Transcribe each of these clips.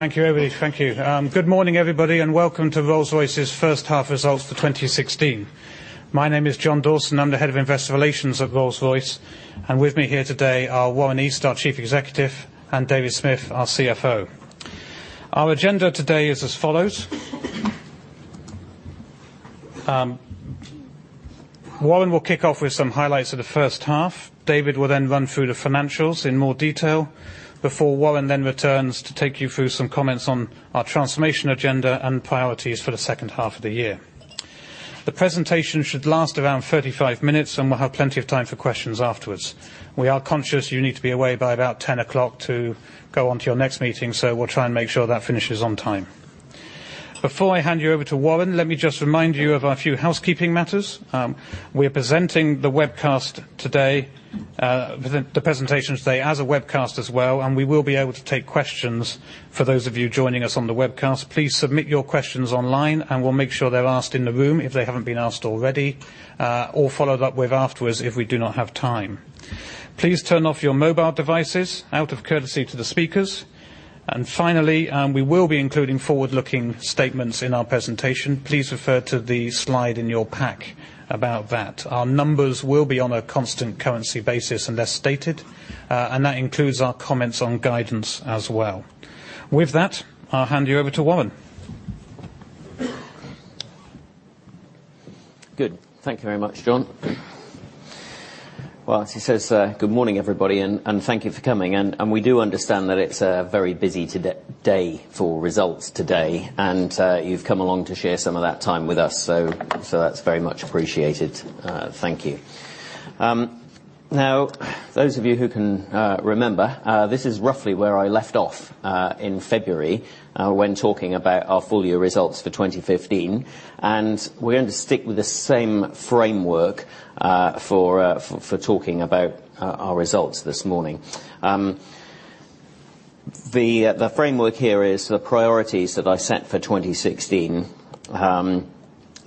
Thank you, everybody. Thank you. Good morning, everybody, welcome to Rolls-Royce's first half results for 2016. My name is John Dawson. I am the Head of Investor Relations at Rolls-Royce, with me here today are Warren East, our Chief Executive, and David Smith, our CFO. Our agenda today is as follows. Warren will kick off with some highlights of the first half. David will run through the financials in more detail before Warren then returns to take you through some comments on our transformation agenda and priorities for the second half of the year. The presentation should last around 35 minutes, we will have plenty of time for questions afterwards. We are conscious you need to be away by about 10:00 A.M. to go on to your next meeting, we will try and make sure that finishes on time. Before I hand you over to Warren, let me just remind you of a few housekeeping matters. We are presenting the webcast today, the presentation today as a webcast as well, we will be able to take questions for those of you joining us on the webcast. Please submit your questions online, we will make sure they are asked in the room if they have not been asked already, or followed up with afterwards if we do not have time. Please turn off your mobile devices out of courtesy to the speakers. Finally, we will be including forward-looking statements in our presentation. Please refer to the slide in your pack about that. Our numbers will be on a constant currency basis unless stated, that includes our comments on guidance as well. With that, I will hand you over to Warren. Good. Thank you very much, John. As he says, good morning, everybody, thank you for coming. We do understand that it is a very busy day for results today, you have come along to share some of that time with us. That is very much appreciated. Thank you. Those of you who can remember, this is roughly where I left off in February when talking about our full-year results for 2015. We are going to stick with the same framework for talking about our results this morning. The framework here is the priorities that I set for 2016.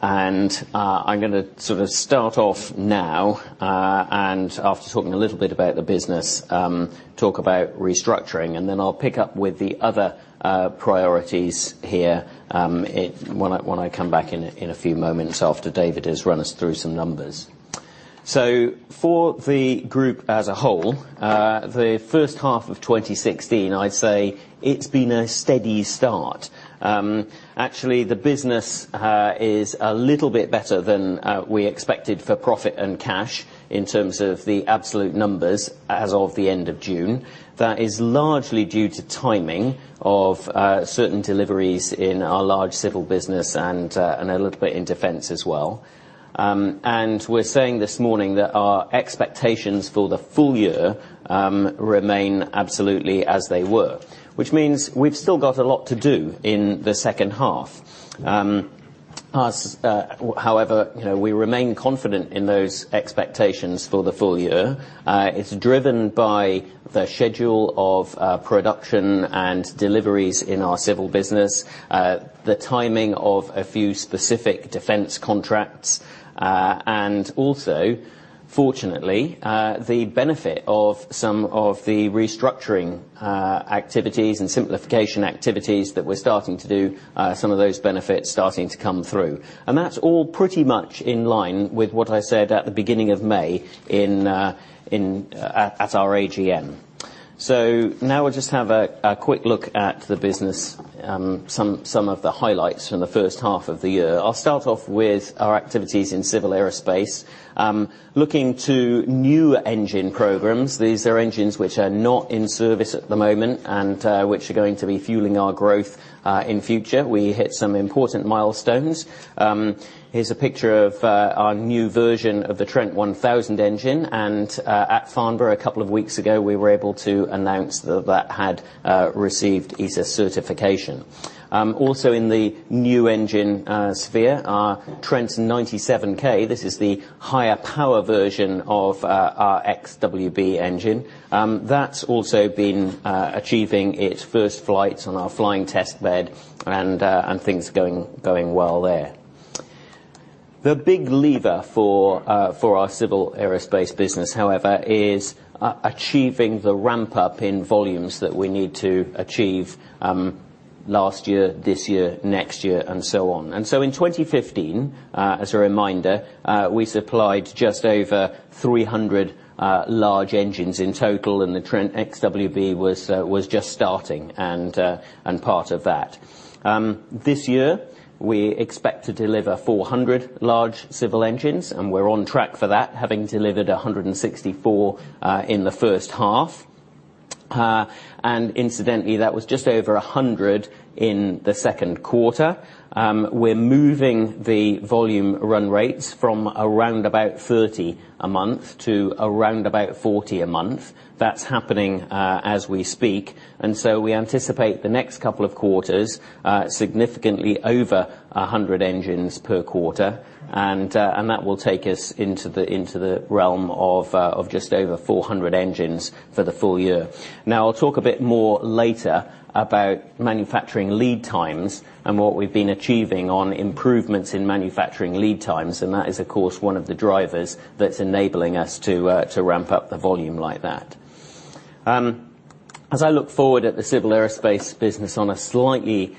I am going to sort of start off now, after talking a little bit about the business, talk about restructuring, I will pick up with the other priorities here when I come back in a few moments after David has run us through some numbers. For the group as a whole, the first half of 2016, I would say it has been a steady start. Actually, the business is a little bit better than we expected for profit and cash in terms of the absolute numbers as of the end of June. That is largely due to timing of certain deliveries in our large Civil business and a little bit in defense as well. We are saying this morning that our expectations for the full year remain absolutely as they were, which means we have still got a lot to do in the second half. However, we remain confident in those expectations for the full year. It's driven by the schedule of production and deliveries in our Civil Aerospace business, the timing of a few specific defense contracts, and also, fortunately, the benefit of some of the restructuring activities and simplification activities that we're starting to do, some of those benefits starting to come through. That's all pretty much in line with what I said at the beginning of May at our AGM. Now we'll just have a quick look at the business, some of the highlights from the first half of the year. I'll start off with our activities in Civil Aerospace. Looking to new engine programs, these are engines which are not in service at the moment and which are going to be fueling our growth in future. We hit some important milestones. Here's a picture of our new version of the Trent 1000 engine. At Farnborough a couple of weeks ago, we were able to announce that that had received EASA certification. Also in the new engine sphere, our Trent XWB-97, this is the higher power version of our XWB engine. That's also been achieving its first flights on our flying test bed and things are going well there. The big lever for our Civil Aerospace business, however, is achieving the ramp-up in volumes that we need to achieve last year, this year, next year, and so on. In 2015, as a reminder, we supplied just over 300 large engines in total, and the Trent XWB was just starting and part of that. This year, we expect to deliver 400 large civil engines, and we're on track for that, having delivered 164 in the first half. Incidentally, that was just over 100 in the second quarter. We're moving the volume run rates from around about 30 a month to around about 40 a month. That's happening as we speak. We anticipate the next couple of quarters significantly over 100 engines per quarter, and that will take us into the realm of just over 400 engines for the full year. Now, I'll talk a bit more later about manufacturing lead times and what we've been achieving on improvements in manufacturing lead times, and that is, of course, one of the drivers that's enabling us to ramp up the volume like that. As I look forward at the Civil Aerospace business on a slightly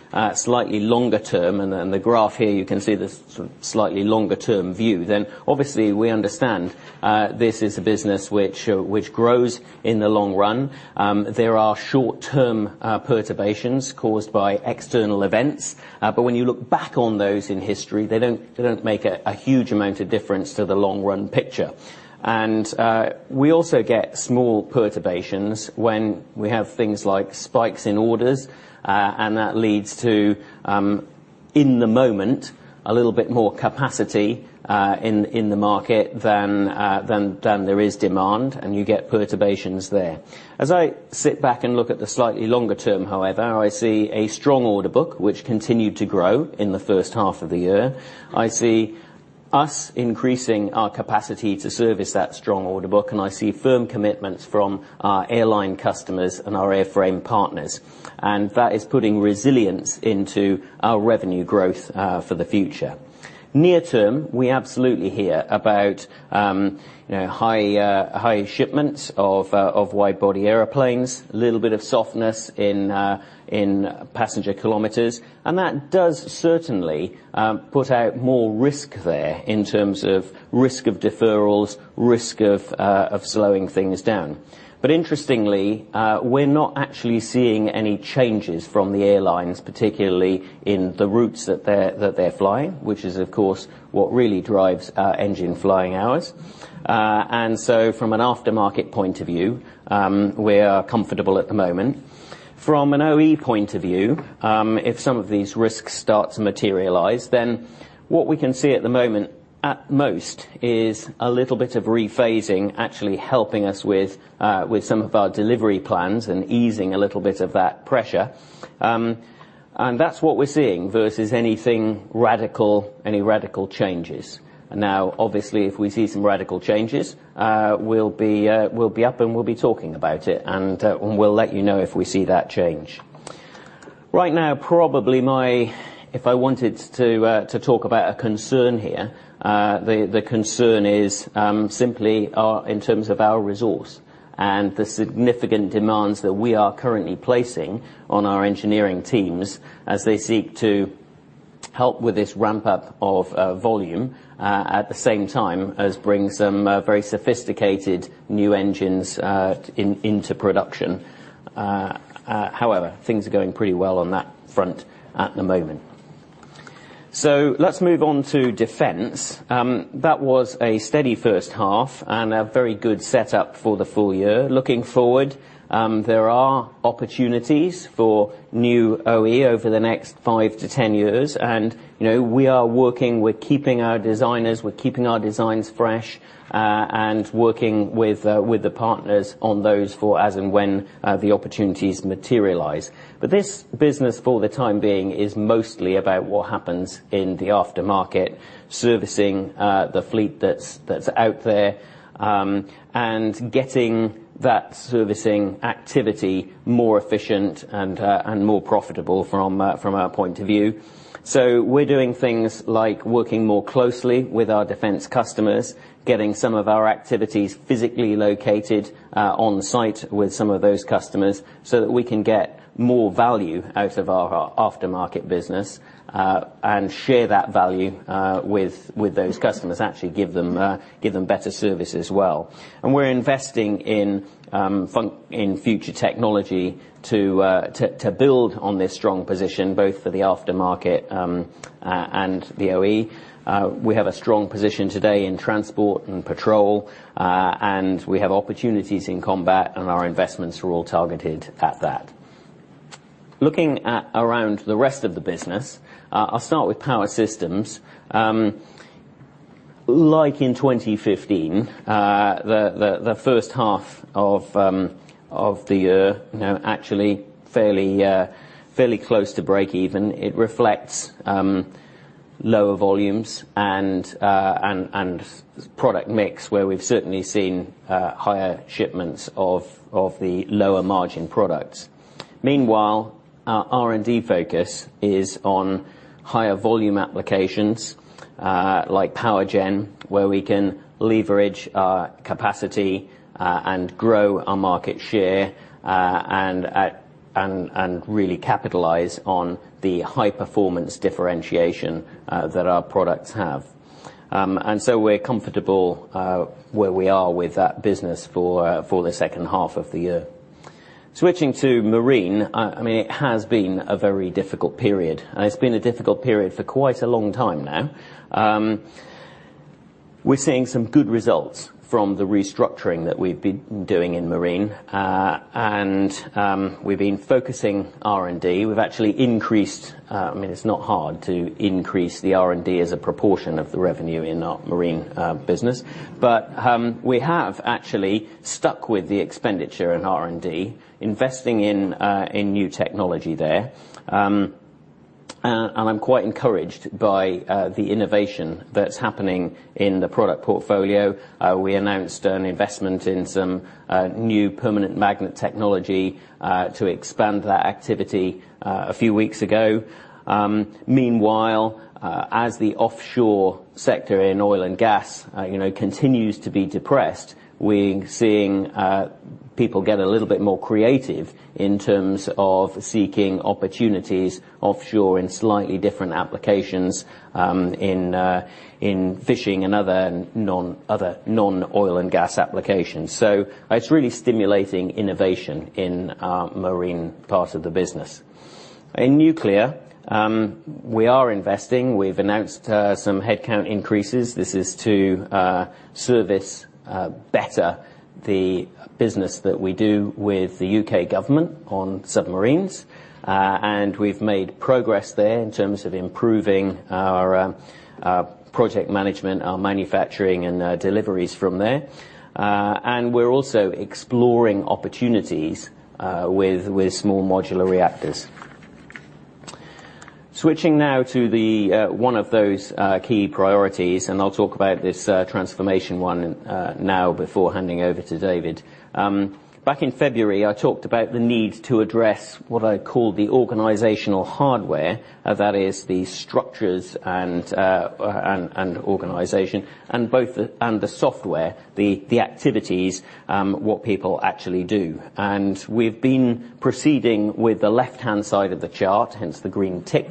longer term, and the graph here you can see this slightly longer term view, then obviously we understand this is a business which grows in the long run. There are short-term perturbations caused by external events. When you look back on those in history, they don't make a huge amount of difference to the long-run picture. We also get small perturbations when we have things like spikes in orders, and that leads to, in the moment, a little bit more capacity in the market than there is demand, and you get perturbations there. As I sit back and look at the slightly longer term, however, I see a strong order book which continued to grow in the first half of the year. I see us increasing our capacity to service that strong order book, and I see firm commitments from our airline customers and our airframe partners. That is putting resilience into our revenue growth for the future. Near term, we absolutely hear about high shipments of wide-body airplanes, little bit of softness in passenger kilometers. That does certainly put out more risk there in terms of risk of deferrals, risk of slowing things down. Interestingly, we're not actually seeing any changes from the airlines, particularly in the routes that they're flying, which is, of course, what really drives our engine flying hours. From an aftermarket point of view, we are comfortable at the moment. From an OE point of view, if some of these risks start to materialize, what we can see at the moment, at most, is a little bit of rephasing actually helping us with some of our delivery plans and easing a little bit of that pressure. That's what we're seeing versus any radical changes. Obviously, if we see some radical changes, we'll be up and we'll be talking about it, and we'll let you know if we see that change. Right now, probably if I wanted to talk about a concern here, the concern is simply in terms of our resource and the significant demands that we are currently placing on our engineering teams as they seek to help with this ramp-up of volume, at the same time as bring some very sophisticated new engines into production. However, things are going pretty well on that front at the moment. Let's move on to defense. That was a steady first half and a very good setup for the full year. Looking forward, there are opportunities for new OE over the next 5 to 10 years, and we are working with keeping our designers, with keeping our designs fresh, and working with the partners on those for as and when the opportunities materialize. This business, for the time being, is mostly about what happens in the aftermarket, servicing the fleet that's out there, and getting that servicing activity more efficient and more profitable from our point of view. We're doing things like working more closely with our defense customers, getting some of our activities physically located on site with some of those customers, so that we can get more value out of our aftermarket business and share that value with those customers, actually give them better service as well. We're investing in future technology to build on this strong position, both for the aftermarket and the OE. We have a strong position today in transport and patrol, and we have opportunities in combat, and our investments are all targeted at that. Looking at around the rest of the business, I'll start with Power Systems. Like in 2015, the first half of the year, actually fairly close to break even. It reflects lower volumes and product mix, where we've certainly seen higher shipments of the lower margin products. Meanwhile, our R&D focus is on higher volume applications, like power gen, where we can leverage our capacity and grow our market share, and really capitalize on the high performance differentiation that our products have. We're comfortable where we are with that business for the second half of the year. Switching to marine, it has been a very difficult period, and it's been a difficult period for quite a long time now. We're seeing some good results from the restructuring that we've been doing in marine, and we've been focusing R&D. It's not hard to increase the R&D as a proportion of the revenue in our marine business. We have actually stuck with the expenditure in R&D, investing in new technology there. I'm quite encouraged by the innovation that's happening in the product portfolio. We announced an investment in some new permanent magnet technology to expand that activity a few weeks ago. Meanwhile, as the offshore sector in oil and gas continues to be depressed, we're seeing people get a little bit more creative in terms of seeking opportunities offshore in slightly different applications, in fishing and other non-oil and gas applications. It's really stimulating innovation in our marine part of the business. In nuclear, we are investing. We've announced some headcount increases. This is to service better the business that we do with the U.K. government on submarines. We've made progress there in terms of improving our project management, our manufacturing, and deliveries from there. We're also exploring opportunities with Small Modular Reactors. Switching now to one of those key priorities, I'll talk about this transformation one now before handing over to David. Back in February, I talked about the need to address what I call the organizational hardware. That is the structures and organization and the software, the activities, what people actually do. We've been proceeding with the left-hand side of the chart, hence the green tick,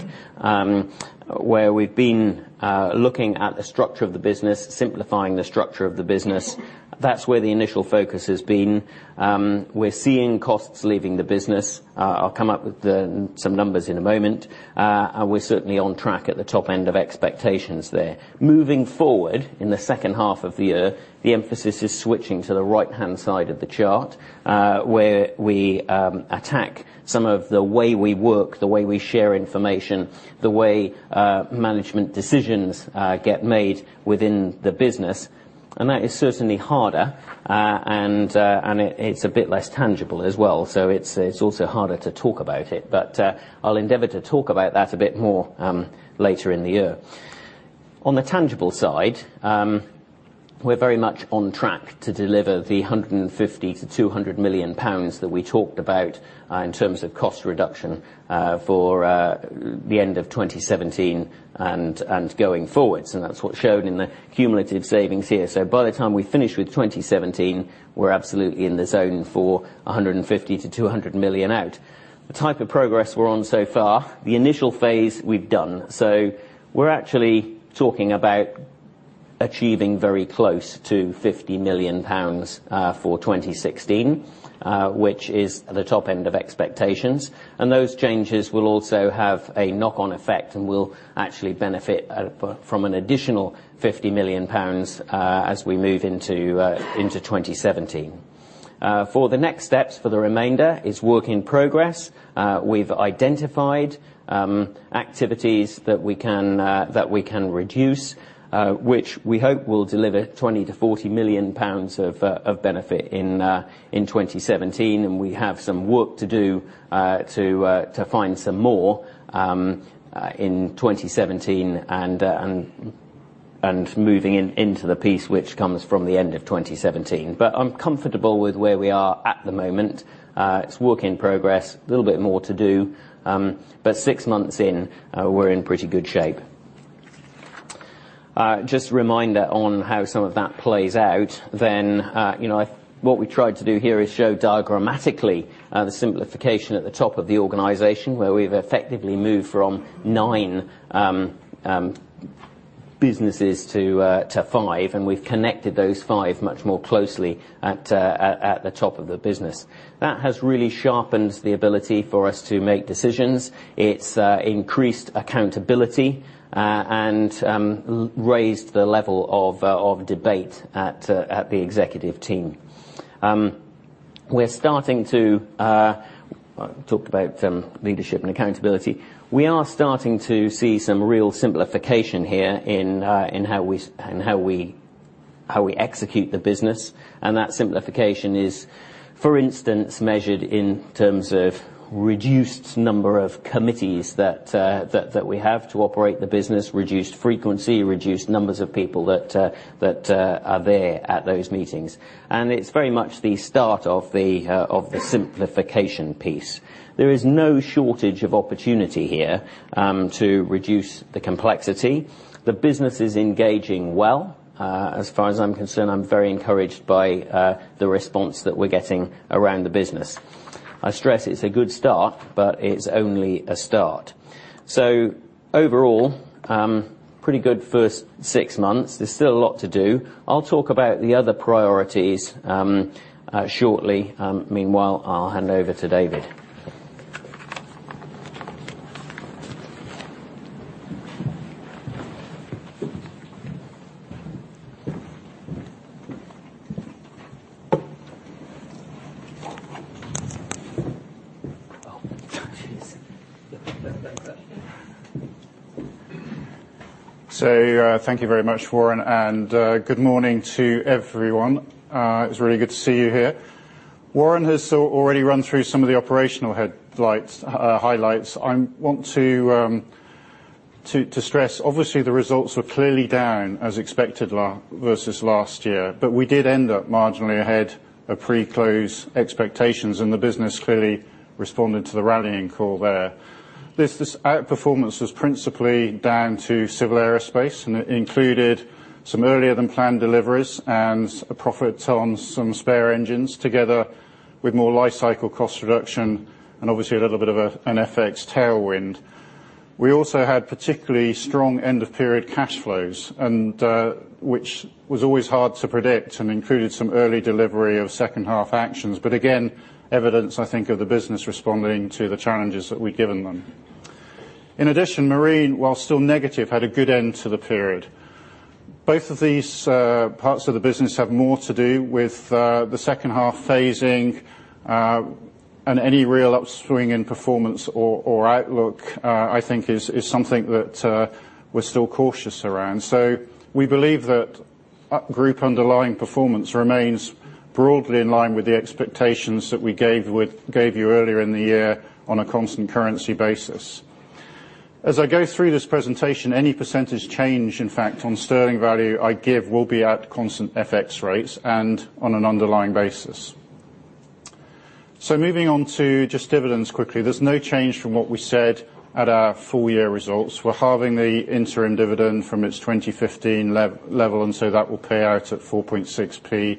where we've been looking at the structure of the business, simplifying the structure of the business. That's where the initial focus has been. We're seeing costs leaving the business. I'll come up with some numbers in a moment. We're certainly on track at the top end of expectations there. Moving forward, in the second half of the year, the emphasis is switching to the right-hand side of the chart, where we attack some of the way we work, the way we share information, the way management decisions get made within the business. That is certainly harder, and it's a bit less tangible as well. It's also harder to talk about it, but I'll endeavor to talk about that a bit more later in the year. On the tangible side, we're very much on track to deliver the 150 million to 200 million pounds that we talked about in terms of cost reduction for the end of 2017 and going forwards. That's what's shown in the cumulative savings here. By the time we finish with 2017, we're absolutely in the zone for 150 million to 200 million out. The type of progress we're on so far, the initial phase we've done. We're actually talking about achieving very close to 50 million pounds for 2016, which is the top end of expectations. Those changes will also have a knock-on effect and will actually benefit from an additional 50 million pounds as we move into 2017. For the next steps for the remainder is work in progress. We've identified activities that we can reduce, which we hope will deliver 20 million to 40 million pounds of benefit in 2017. We have some work to do to find some more in 2017 and moving into the piece which comes from the end of 2017. I'm comfortable with where we are at the moment. It's work in progress, a little bit more to do. Six months in, we're in pretty good shape. Just a reminder on how some of that plays out. What we tried to do here is show diagrammatically the simplification at the top of the organization, where we've effectively moved from nine businesses to five, and we've connected those five much more closely at the top of the business. That has really sharpened the ability for us to make decisions. It's increased accountability and raised the level of debate at the executive team. We talked about leadership and accountability. We are starting to see some real simplification here in how we execute the business. That simplification is, for instance, measured in terms of reduced number of committees that we have to operate the business, reduced frequency, reduced numbers of people that are there at those meetings. It's very much the start of the simplification piece. There is no shortage of opportunity here to reduce the complexity. The business is engaging well. As far as I'm concerned, I'm very encouraged by the response that we're getting around the business. I stress it's a good start, but it's only a start. Overall, pretty good first six months. There's still a lot to do. I'll talk about the other priorities shortly. Meanwhile, I'll hand over to David. Cheers. Thank you very much, Warren, and good morning to everyone. It's really good to see you here. Warren has already run through some of the operational highlights. I want to stress, obviously, the results were clearly down as expected versus last year, but we did end up marginally ahead of pre-close expectations, and the business clearly responded to the rallying call there. This outperformance was principally down to Civil Aerospace, and it included some earlier-than-planned deliveries and a profit on some spare engines, together with more life cycle cost reduction and obviously a little bit of an FX tailwind. We also had particularly strong end-of-period cash flows, which was always hard to predict and included some early delivery of second half actions. Again, evidence, I think, of the business responding to the challenges that we'd given them. In addition, marine, while still negative, had a good end to the period. Both of these parts of the business have more to do with the second half phasing, and any real upswing in performance or outlook, I think is something that we're still cautious around. We believe that group underlying performance remains broadly in line with the expectations that we gave you earlier in the year on a constant currency basis. As I go through this presentation, any percentage change, in fact, on GBP value I give will be at constant FX rates and on an underlying basis. Moving on to just dividends quickly. There's no change from what we said at our full year results. We're halving the interim dividend from its 2015 level, that will pay out at 0.046,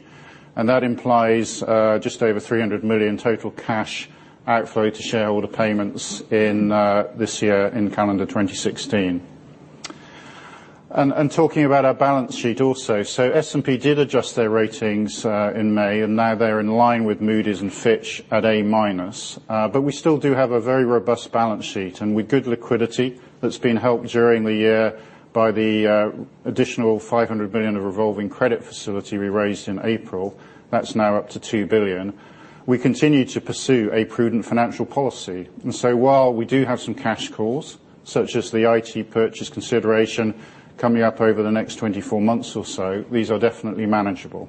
and that implies just over 300 million total cash outflow to shareholder payments in this year, in calendar 2016. Talking about our balance sheet also, S&P did adjust their ratings in May, and now they're in line with Moody's and Fitch at A-minus. We still do have a very robust balance sheet, and with good liquidity that's been helped during the year by the additional 500 million of revolving credit facility we raised in April. That's now up to 2 billion. We continue to pursue a prudent financial policy, while we do have some cash calls, such as the ITP Aero purchase consideration coming up over the next 24 months or so, these are definitely manageable.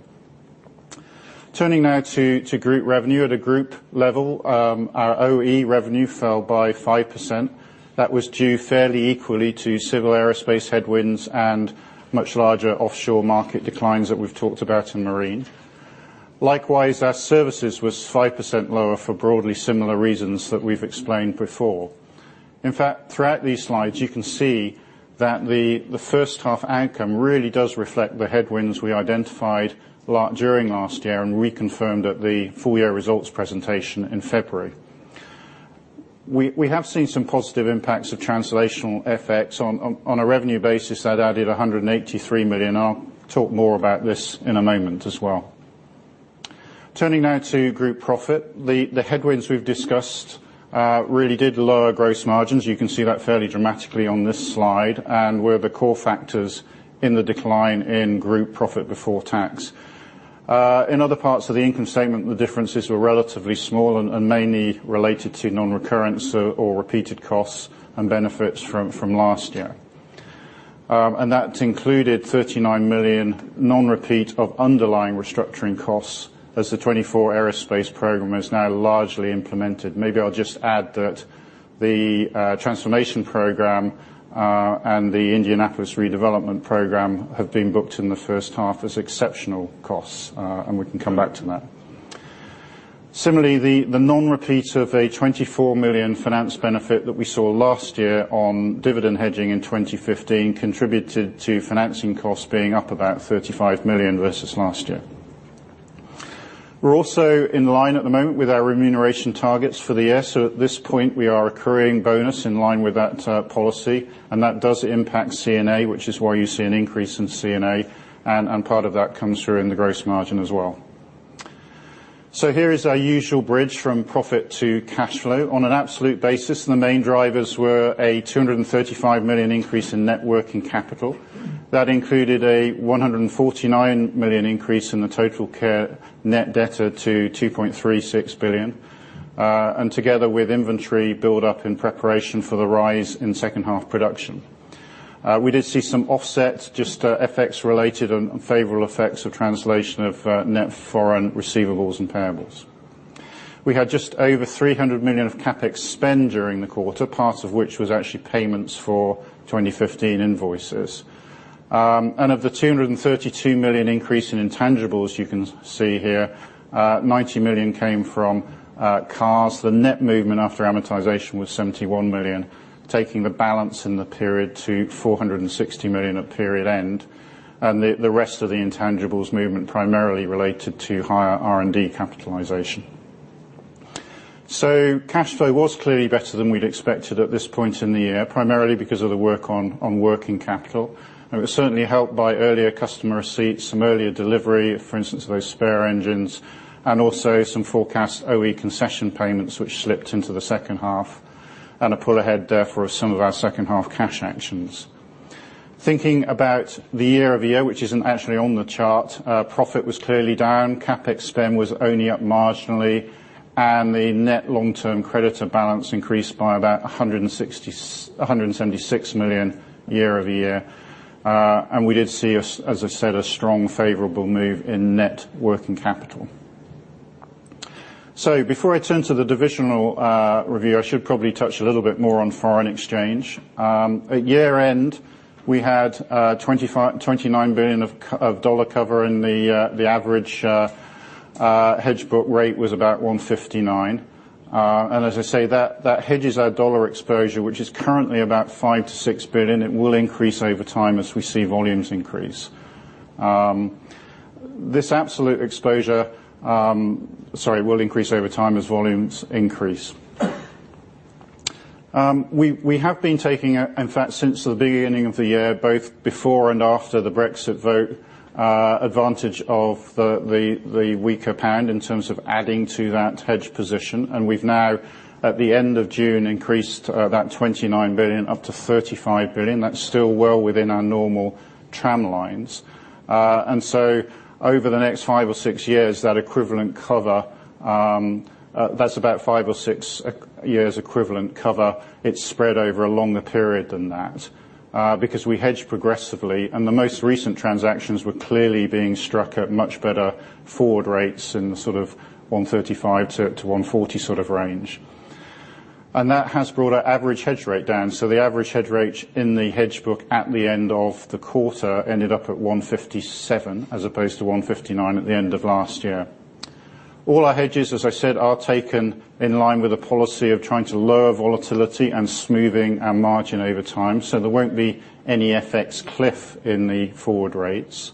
Turning now to group revenue. At a group level, our OE revenue fell by 5%. That was due fairly equally to Civil Aerospace headwinds and much larger offshore market declines that we've talked about in marine. Likewise, our services was 5% lower for broadly similar reasons that we've explained before. In fact, throughout these slides, you can see that the first half outcome really does reflect the headwinds we identified during last year and reconfirmed at the full year results presentation in February. We have seen some positive impacts of translational FX. On a revenue basis, that added 183 million. I'll talk more about this in a moment as well. Turning now to group profit. The headwinds we've discussed really did lower gross margins. You can see that fairly dramatically on this slide and were the core factors in the decline in group profit before tax. In other parts of the income statement, the differences were relatively small and mainly related to non-recurrent or repeated costs and benefits from last year. That included 39 million non-repeat of underlying restructuring costs as the '14 aerospace program is now largely implemented. Maybe I'll just add that the transformation program, and the Indianapolis redevelopment program have been booked in the first half as exceptional costs, and we can come back to that. Similarly, the non-repeat of a 24 million finance benefit that we saw last year on dividend hedging in 2015 contributed to financing costs being up about 35 million versus last year. We're also in line at the moment with our remuneration targets for the year. At this point, we are accruing bonus in line with that policy, that does impact C&A, which is why you see an increase in C&A, and part of that comes through in the gross margin as well. Here is our usual bridge from profit to cash flow. On an absolute basis, the main drivers were a 235 million increase in net working capital. That included a 149 million increase in the TotalCare net debtor to 2.36 billion, and together with inventory build up in preparation for the rise in second half production. We did see some offset, just FX-related and favorable effects of translation of net foreign receivables and payables. We had just over 300 million of CapEx spend during the quarter, part of which was actually payments for 2015 invoices. Of the 232 million increase in intangibles you can see here, 90 million came from CARs. The net movement after amortization was 71 million, taking the balance in the period to 460 million at period end. The rest of the intangibles movement primarily related to higher R&D capitalization. Cash flow was clearly better than we'd expected at this point in the year, primarily because of the work on working capital. It was certainly helped by earlier customer receipts, some earlier delivery, for instance, of those spare engines, and also some forecast OE concession payments, which slipped into the second half and a pull ahead there for some of our second half cash actions. Thinking about the year-over-year, which isn't actually on the chart, profit was clearly down. CapEx spend was only up marginally. The net long-term creditor balance increased by about 176 million year-over-year. We did see, as I said, a strong favorable move in net working capital. Before I turn to the divisional review, I should probably touch a little bit more on foreign exchange. At year end, we had $29 billion of dollar cover. Our hedge book rate was about 159. As I say, that hedges our dollar exposure, which is currently about $5 billion-$6 billion. It will increase over time as we see volumes increase. This absolute exposure will increase over time as volumes increase. We have been taking, in fact, since the beginning of the year, both before and after the Brexit vote, advantage of the weaker pound in terms of adding to that hedge position. We've now, at the end of June, increased that $29 billion up to $35 billion. That's still well within our normal tramlines. Over the next 5 or 6 years, that equivalent cover, that's about 5 or 6 years' equivalent cover. It's spread over a longer period than that because we hedge progressively, and the most recent transactions were clearly being struck at much better forward rates in the 135-140 range. That has brought our average hedge rate down. The average hedge rate in the hedge book at the end of the quarter ended up at 157 as opposed to 159 at the end of last year. All our hedges, as I said, are taken in line with the policy of trying to lower volatility and smoothing our margin over time. There won't be any FX cliff in the forward rates.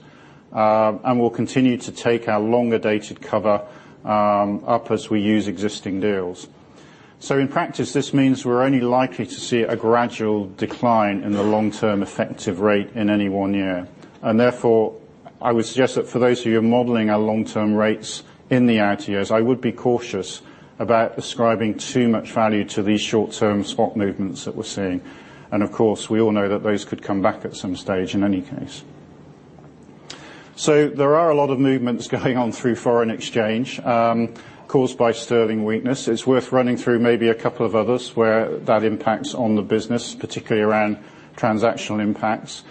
We'll continue to take our longer-dated cover up as we use existing deals. In practice, this means we're only likely to see a gradual decline in the long-term effective rate in any one year. I would suggest that for those of you who are modeling our long-term rates in the out years, I would be cautious about ascribing too much value to these short-term spot movements that we're seeing. We all know that those could come back at some stage in any case. There are a lot of movements going on through foreign exchange caused by sterling weakness. It's worth running through maybe a couple of others where that impacts on the business, particularly around transactional impacts.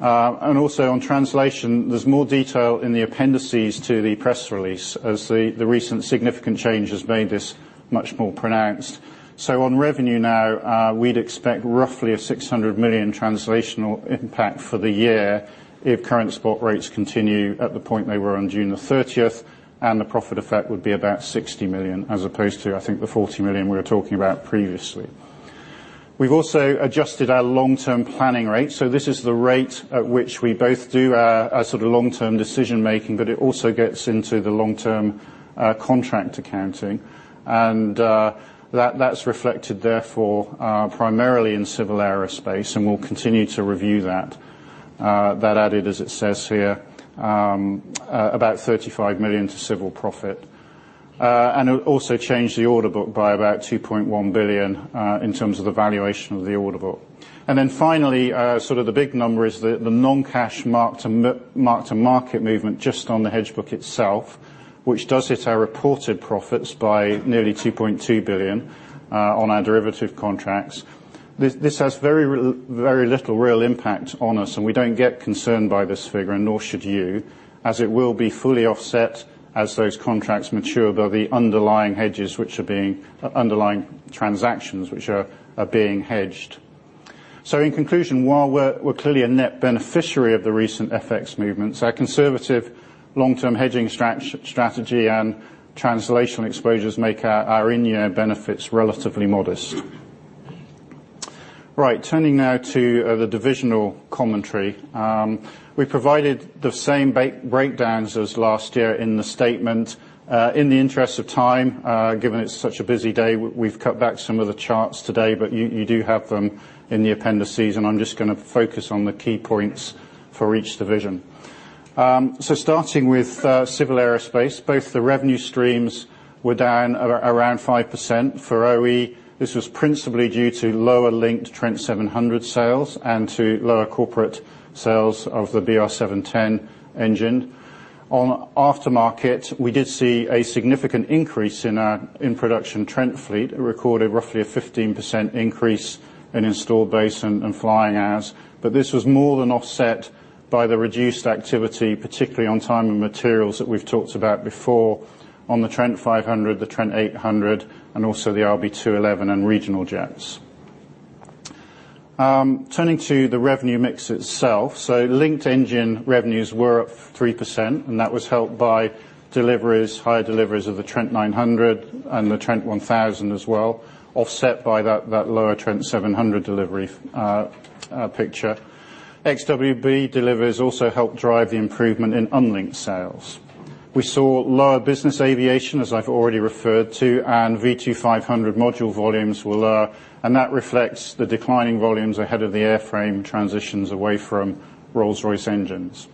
Also on translation, there's more detail in the appendices to the press release as the recent significant change has made this much more pronounced. On revenue now, we'd expect roughly a 600 million translational impact for the year if current spot rates continue at the point they were on June the 30th, and the profit effect would be about 60 million as opposed to, I think, the 40 million we were talking about previously. We've also adjusted our long-term planning rate. This is the rate at which we both do our long-term decision making, but it also gets into the long-term contract accounting. That's reflected, therefore, primarily in Civil Aerospace, and we'll continue to review that. That added, as it says here, about 35 million to Civil profit. It also changed the order book by about 2.1 billion in terms of the valuation of the order book. Finally, the big number is the non-cash mark-to-market movement just on the hedge book itself, which does hit our reported profits by nearly 2.2 billion on our derivative contracts. This has very little real impact on us, and we don't get concerned by this figure and nor should you, as it will be fully offset as those contracts mature by the underlying transactions, which are being hedged. In conclusion, while we're clearly a net beneficiary of the recent FX movements, our conservative long-term hedging strategy and translational exposures make our in-year benefits relatively modest. Turning now to the divisional commentary. We provided the same breakdowns as last year in the statement. In the interest of time, given it's such a busy day, we've cut back some of the charts today, but you do have them in the appendices, and I'm just going to focus on the key points for each division. Starting with Civil Aerospace, both the revenue streams were down around 5%. For OE, this was principally due to lower linked Trent 700 sales and to lower corporate sales of the BR710 engine. On aftermarket, we did see a significant increase in production Trent fleet. It recorded roughly a 15% increase in installed base and flying hours. This was more than offset by the reduced activity, particularly on time and materials that we've talked about before on the Trent 500, the Trent 800, and also the RB211 and regional jets. Turning to the revenue mix itself. Linked engine revenues were up 3%, and that was helped by deliveries, higher deliveries of the Trent 900 and the Trent 1000 as well, offset by that lower Trent 700 delivery picture. XWB deliveries also helped drive the improvement in unlinked sales. We saw lower business aviation, as I've already referred to, and V2500 module volumes were low, and that reflects the declining volumes ahead of the airframe transitions away from Rolls-Royce engines.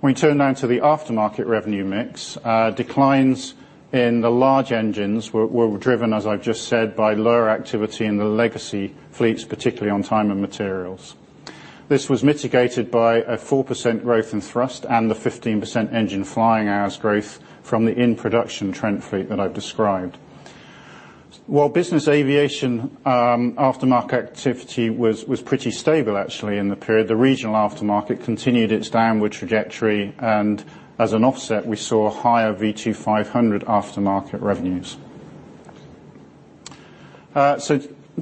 When we turn now to the aftermarket revenue mix, declines in the large engines were driven, as I've just said, by lower activity in the legacy fleets, particularly on time and materials. This was mitigated by a 4% growth in thrust and the 15% engine flying hours growth from the in-production Trent fleet that I've described. While business aviation aftermarket activity was pretty stable actually in the period, the regional aftermarket continued its downward trajectory, as an offset, we saw higher V2500 aftermarket revenues.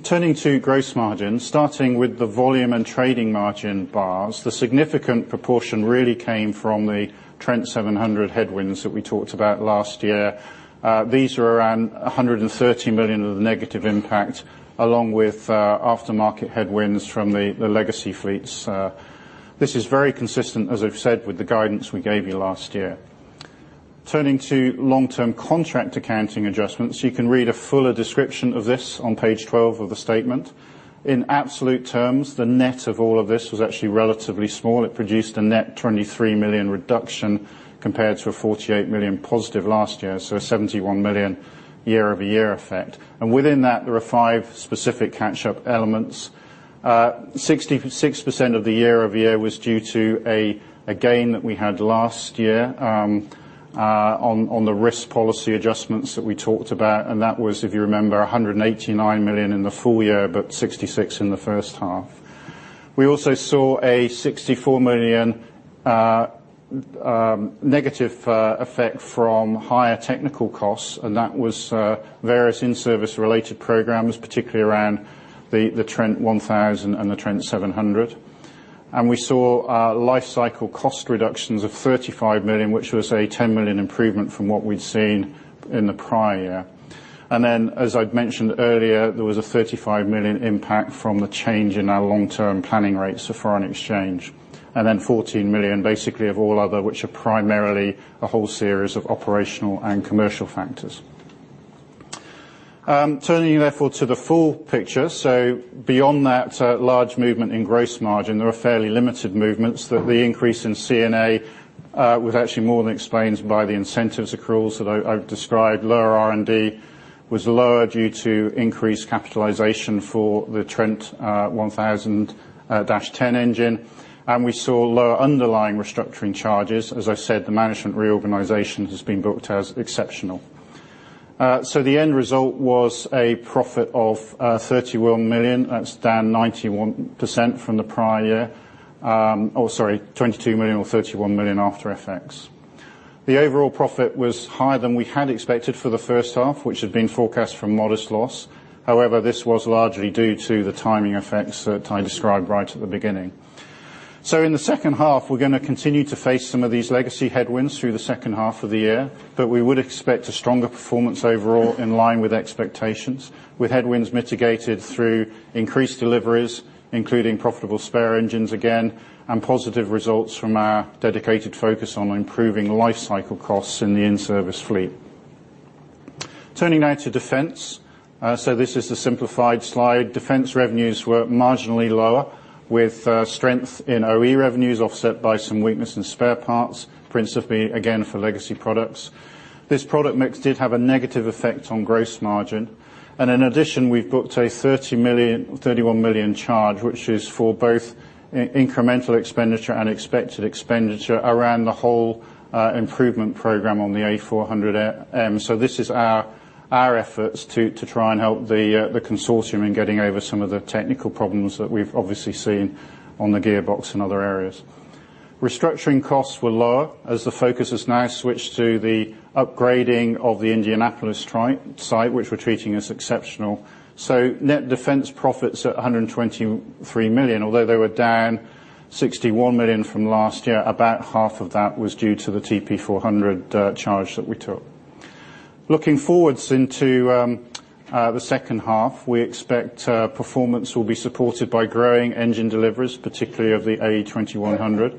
Turning to gross margin, starting with the volume and trading margin bars, the significant proportion really came from the Trent 700 headwinds that we talked about last year. These were around 130 million of the negative impact, along with aftermarket headwinds from the legacy fleets. This is very consistent, as I've said, with the guidance we gave you last year. Turning to long-term contract accounting adjustments, you can read a fuller description of this on page 12 of the statement. In absolute terms, the net of all of this was actually relatively small. It produced a net 23 million reduction compared to a 48 million positive last year, so a 71 million year-over-year effect. Within that, there are five specific catch-up elements. 66% of the year-over-year was due to a gain that we had last year on the risk policy adjustments that we talked about, that was, if you remember, 189 million in the full year, but 66 million in the first half. We also saw a 64 million negative effect from higher technical costs, that was various in-service related programs, particularly around the Trent 1000 and the Trent 700. We saw life cycle cost reductions of 35 million, which was a 10 million improvement from what we'd seen in the prior year. As I mentioned earlier, there was a 35 million impact from the change in our long-term planning rates for foreign exchange, then 14 million basically of all other, which are primarily a whole series of operational and commercial factors. Turning therefore to the full picture. Beyond that large movement in gross margin, there are fairly limited movements that the increase in C&A was actually more than explained by the incentives accruals that I've described. Lower R&D was lower due to increased capitalization for the Trent 1000-TEN engine. We saw lower underlying restructuring charges. As I said, the management reorganization has been booked as exceptional. The end result was a profit of 31 million. That's down 91% from the prior year. Or sorry, 22 million or 31 million after FX. The overall profit was higher than we had expected for the first half, which had been forecast for a modest loss. However, this was largely due to the timing effects that I described right at the beginning. In the second half, we're going to continue to face some of these legacy headwinds through the second half of the year, we would expect a stronger performance overall in line with expectations, with headwinds mitigated through increased deliveries, including profitable spare engines again, positive results from our dedicated focus on improving life cycle costs in the in-service fleet. Turning now to defense. This is the simplified slide. Defense revenues were marginally lower, with strength in OE revenues offset by some weakness in spare parts, principally, again, for legacy products. This product mix did have a negative effect on gross margin. In addition, we've booked a 31 million charge, which is for both incremental expenditure and expected expenditure around the whole improvement program on the A400M. This is our efforts to try and help the consortium in getting over some of the technical problems that we've obviously seen on the gearbox and other areas. Restructuring costs were lower as the focus has now switched to the upgrading of the Indianapolis site, which we're treating as exceptional. Net defense profits at 123 million. Although they were down 61 million from last year, about half of that was due to the TP400 charge that we took. Looking forwards into the second half, we expect performance will be supported by growing engine deliveries, particularly of the AE 2100.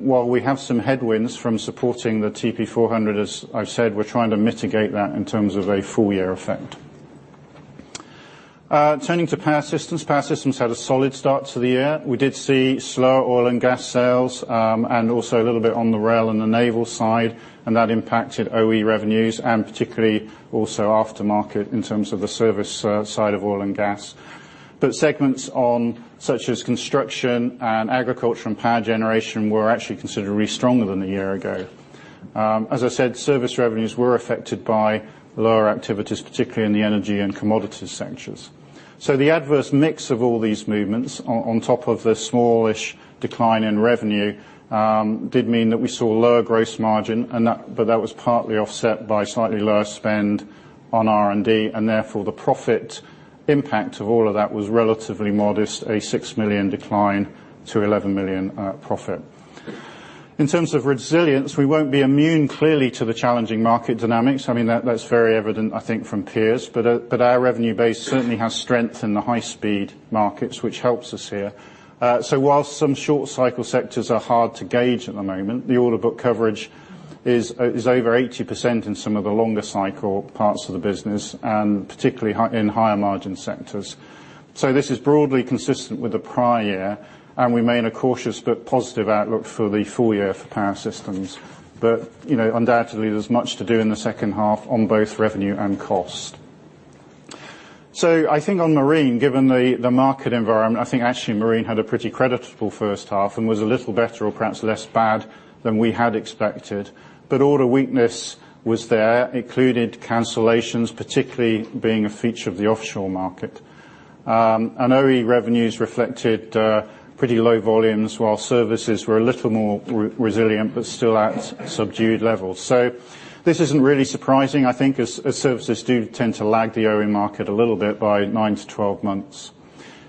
While we have some headwinds from supporting the TP400, as I've said, we're trying to mitigate that in terms of a full-year effect. Turning to Power Systems. Power Systems had a solid start to the year. We did see slower oil and gas sales, also a little bit on the rail and the naval side, that impacted OE revenues, particularly also aftermarket in terms of the service side of oil and gas. Segments such as construction and agriculture and power generation were actually considerably stronger than a year ago. As I said, service revenues were affected by lower activities, particularly in the energy and commodity sectors. The adverse mix of all these movements on top of the smallish decline in revenue did mean that we saw a lower gross margin, that was partly offset by slightly lower spend on R&D. Therefore, the profit impact of all of that was relatively modest, a 6 million decline to 11 million profit. In terms of resilience, we won't be immune clearly to the challenging market dynamics. I mean, that's very evident, I think, from peers. Our revenue base certainly has strength in the high-speed markets, which helps us here. While some short cycle sectors are hard to gauge at the moment, the order book coverage is over 80% in some of the longer cycle parts of the business, particularly in higher margin sectors. This is broadly consistent with the prior year, we remain a cautious but positive outlook for the full year for Power Systems. Undoubtedly, there's much to do in the second half on both revenue and cost. I think on Marine, given the market environment, I think actually Marine had a pretty creditable first half and was a little better or perhaps less bad than we had expected. Order weakness was there. Included cancellations particularly being a feature of the offshore market. OE revenues reflected pretty low volumes while services were a little more resilient, still at subdued levels. This isn't really surprising, I think, as services do tend to lag the OE market a little bit by nine to 12 months.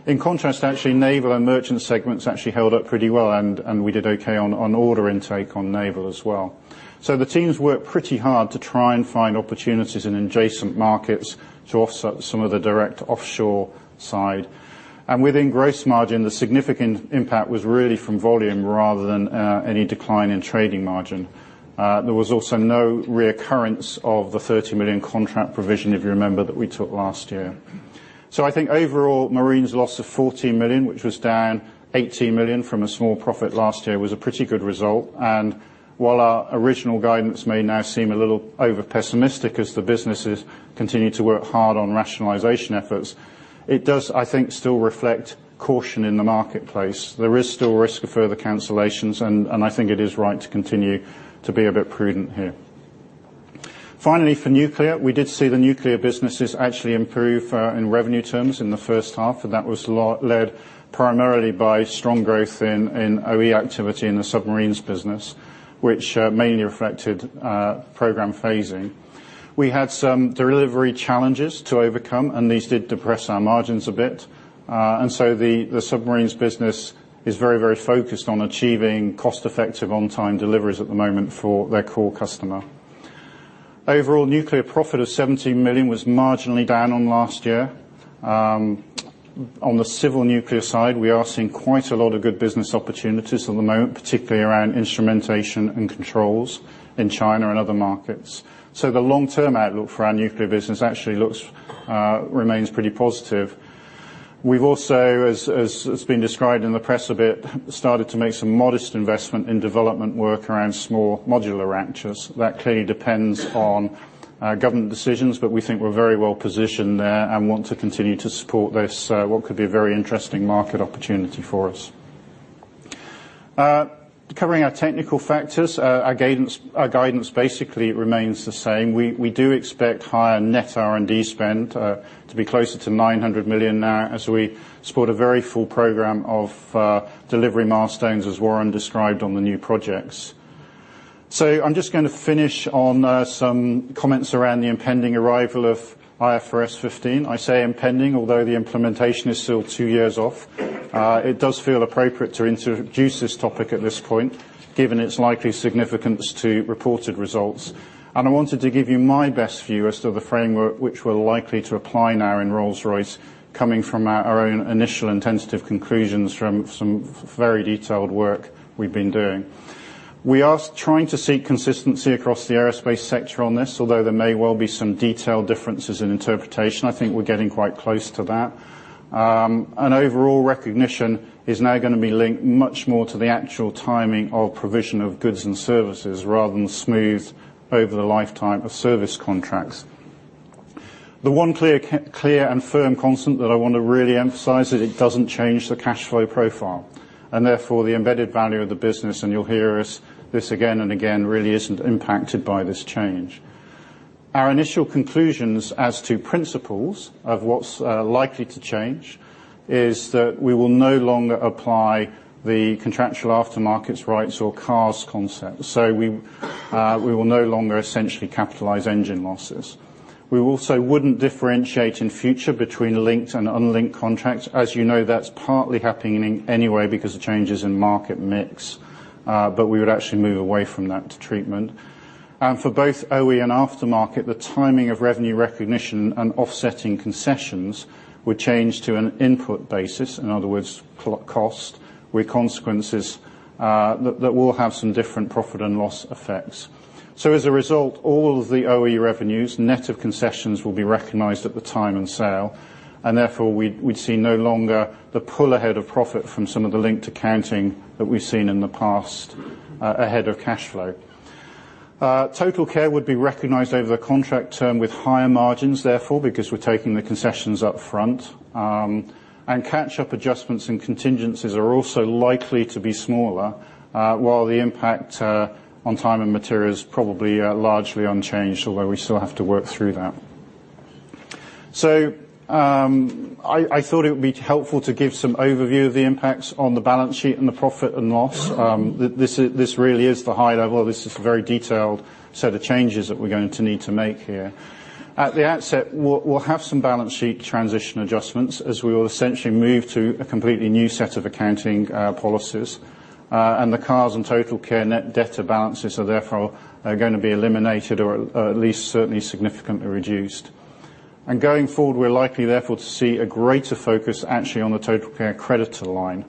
In contrast, actually, naval and merchant segments actually held up pretty well, we did okay on order intake on naval as well. The teams worked pretty hard to try and find opportunities in adjacent markets to offset some of the direct offshore side. Within gross margin, the significant impact was really from volume rather than any decline in trading margin. There was also no reoccurrence of the 30 million contract provision, if you remember, that we took last year. I think overall, Marine's loss of 14 million, which was down 18 million from a small profit last year, was a pretty good result. While our original guidance may now seem a little over-pessimistic as the businesses continue to work hard on rationalization efforts, it does, I think, still reflect caution in the marketplace. There is still risk of further cancellations, I think it is right to continue to be a bit prudent here. Finally, for nuclear, we did see the nuclear businesses actually improve in revenue terms in the first half. That was led primarily by strong growth in OE activity in the submarines business, which mainly reflected program phasing. We had some delivery challenges to overcome, and these did depress our margins a bit. The submarines business is very focused on achieving cost-effective, on-time deliveries at the moment for their core customer. Overall, nuclear profit of 17 million was marginally down on last year. On the civil nuclear side, we are seeing quite a lot of good business opportunities at the moment, particularly around instrumentation and controls in China and other markets. The long-term outlook for our nuclear business actually remains pretty positive. We've also, as it's been described in the press a bit, started to make some modest investment in development work around Small Modular Reactors. That clearly depends on government decisions, but we think we're very well positioned there and want to continue to support this, what could be a very interesting market opportunity for us. Covering our technical factors, our guidance basically remains the same. We do expect higher net R&D spend to be closer to 900 million now as we support a very full program of delivery milestones, as Warren described on the new projects. I'm just going to finish on some comments around the impending arrival of IFRS 15. I say impending, although the implementation is still two years off. It does feel appropriate to introduce this topic at this point, given its likely significance to reported results. I wanted to give you my best view as to the framework which we're likely to apply now in Rolls-Royce, coming from our own initial and tentative conclusions from some very detailed work we've been doing. We are trying to seek consistency across the aerospace sector on this, although there may well be some detailed differences in interpretation. I think we're getting quite close to that. Overall recognition is now going to be linked much more to the actual timing of provision of goods and services rather than the smooth over the lifetime of service contracts. The one clear and firm constant that I want to really emphasize is it doesn't change the cash flow profile and therefore the embedded value of the business, and you'll hear this again and again, really isn't impacted by this change. Our initial conclusions as to principles of what's likely to change is that we will no longer apply the Contractual Aftermarket Rights or CARs concept. We will no longer essentially capitalize engine losses. We also wouldn't differentiate in future between linked and unlinked contracts. As you know, that's partly happening anyway because of changes in market mix. We would actually move away from that treatment. For both OE and aftermarket, the timing of revenue recognition and offsetting concessions would change to an input basis. In other words, cost with consequences that will have some different profit and loss effects. As a result, all of the OE revenues, net of concessions, will be recognized at the time and sale, and therefore we'd see no longer the pull ahead of profit from some of the linked accounting that we've seen in the past ahead of cash flow. TotalCare would be recognized over the contract term with higher margins, therefore, because we're taking the concessions up front. Catch-up adjustments and contingencies are also likely to be smaller while the impact on time and materials probably largely unchanged, although we still have to work through that. I thought it would be helpful to give some overview of the impacts on the balance sheet and the profit and loss. This really is the high level. This is a very detailed set of changes that we're going to need to make here. At the outset, we'll have some balance sheet transition adjustments as we will essentially move to a completely new set of accounting policies. The CARs and TotalCare net debtor balances are therefore going to be eliminated or at least certainly significantly reduced. Going forward, we're likely, therefore, to see a greater focus actually on the TotalCare creditor line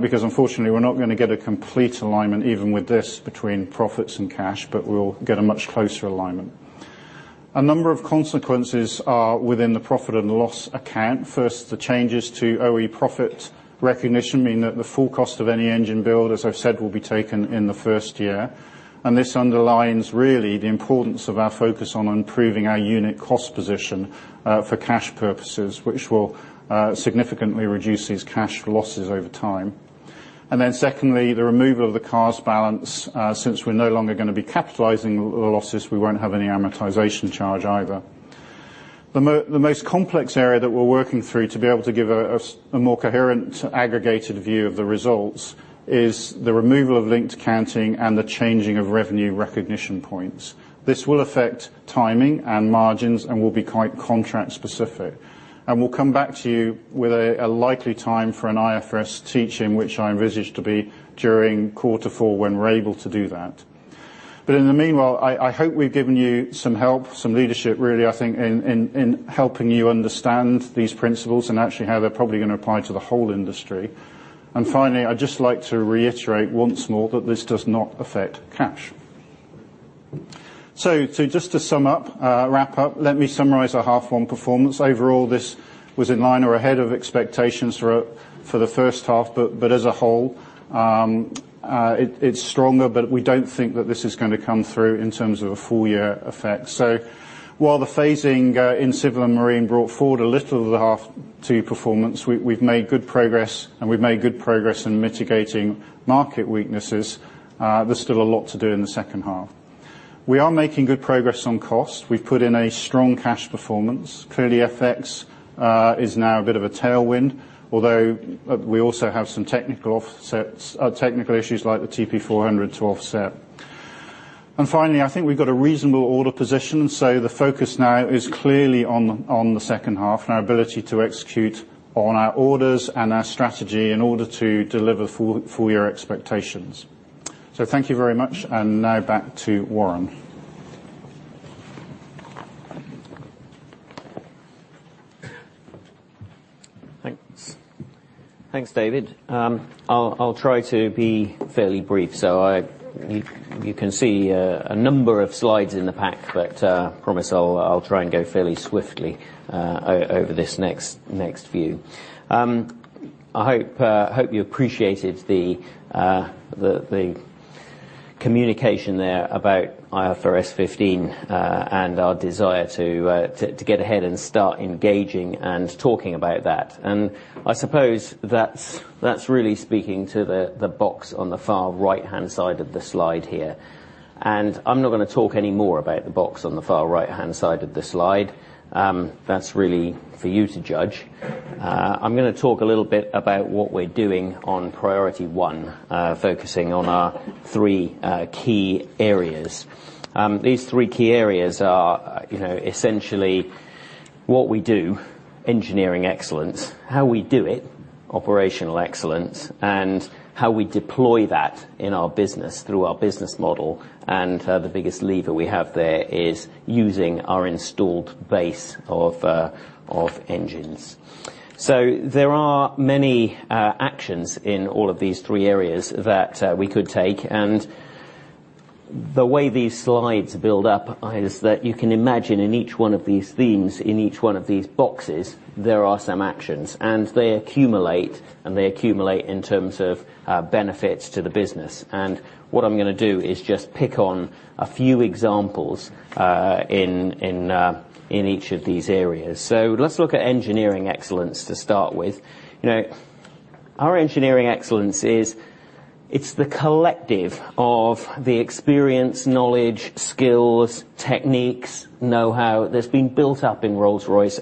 because unfortunately, we're not going to get a complete alignment even with this between profits and cash, but we will get a much closer alignment. A number of consequences are within the profit and loss account. First, the changes to OE profit recognition mean that the full cost of any engine build, as I've said, will be taken in the first year. This underlines really the importance of our focus on improving our unit cost position for cash purposes, which will significantly reduce these cash losses over time. Secondly, the removal of the CARs balance. Since we're no longer going to be capitalizing losses, we won't have any amortization charge either. The most complex area that we're working through to be able to give a more coherent, aggregated view of the results is the removal of linked accounting and the changing of revenue recognition points. This will affect timing and margins and will be quite contract specific. We'll come back to you with a likely time for an IFRS teach-in, which I envisage to be during quarter four when we're able to do that. In the meanwhile, I hope we've given you some help, some leadership really, I think, in helping you understand these principles and actually how they're probably going to apply to the whole industry. Finally, I'd just like to reiterate once more that this does not affect cash. Just to sum up, wrap up, let me summarize our half one performance. Overall, this was in line or ahead of expectations for the first half, as a whole, it's stronger, we don't think that this is going to come through in terms of a full-year effect. While the phasing in civil and marine brought forward a little of the half two performance, we've made good progress, and we've made good progress in mitigating market weaknesses. There's still a lot to do in the second half. We are making good progress on cost. We've put in a strong cash performance. Clearly, FX is now a bit of a tailwind, although we also have some technical issues like the TP400 to offset. Finally, I think we've got a reasonable order position. The focus now is clearly on the second half and our ability to execute on our orders and our strategy in order to deliver full-year expectations. Thank you very much, and now back to Warren. Thanks. Thanks, David. I'll try to be fairly brief. You can see a number of slides in the pack, but promise I'll try and go fairly swiftly over this next view. I hope you appreciated the communication there about IFRS 15 and our desire to get ahead and start engaging and talking about that. I suppose that's really speaking to the box on the far right-hand side of the slide here. I'm not going to talk anymore about the box on the far right-hand side of the slide. That's really for you to judge. I'm going to talk a little bit about what we're doing on priority one, focusing on our three key areas. These three key areas are essentially what we do, engineering excellence, how we do it, operational excellence, and how we deploy that in our business through our business model. The biggest lever we have there is using our installed base of engines. There are many actions in all of these three areas that we could take. The way these slides build up is that you can imagine in each one of these themes, in each one of these boxes, there are some actions, and they accumulate, and they accumulate in terms of benefits to the business. What I'm going to do is just pick on a few examples in each of these areas. Let's look at engineering excellence to start with. Our engineering excellence is the collective of the experience, knowledge, skills, techniques, know-how that's been built up in Rolls-Royce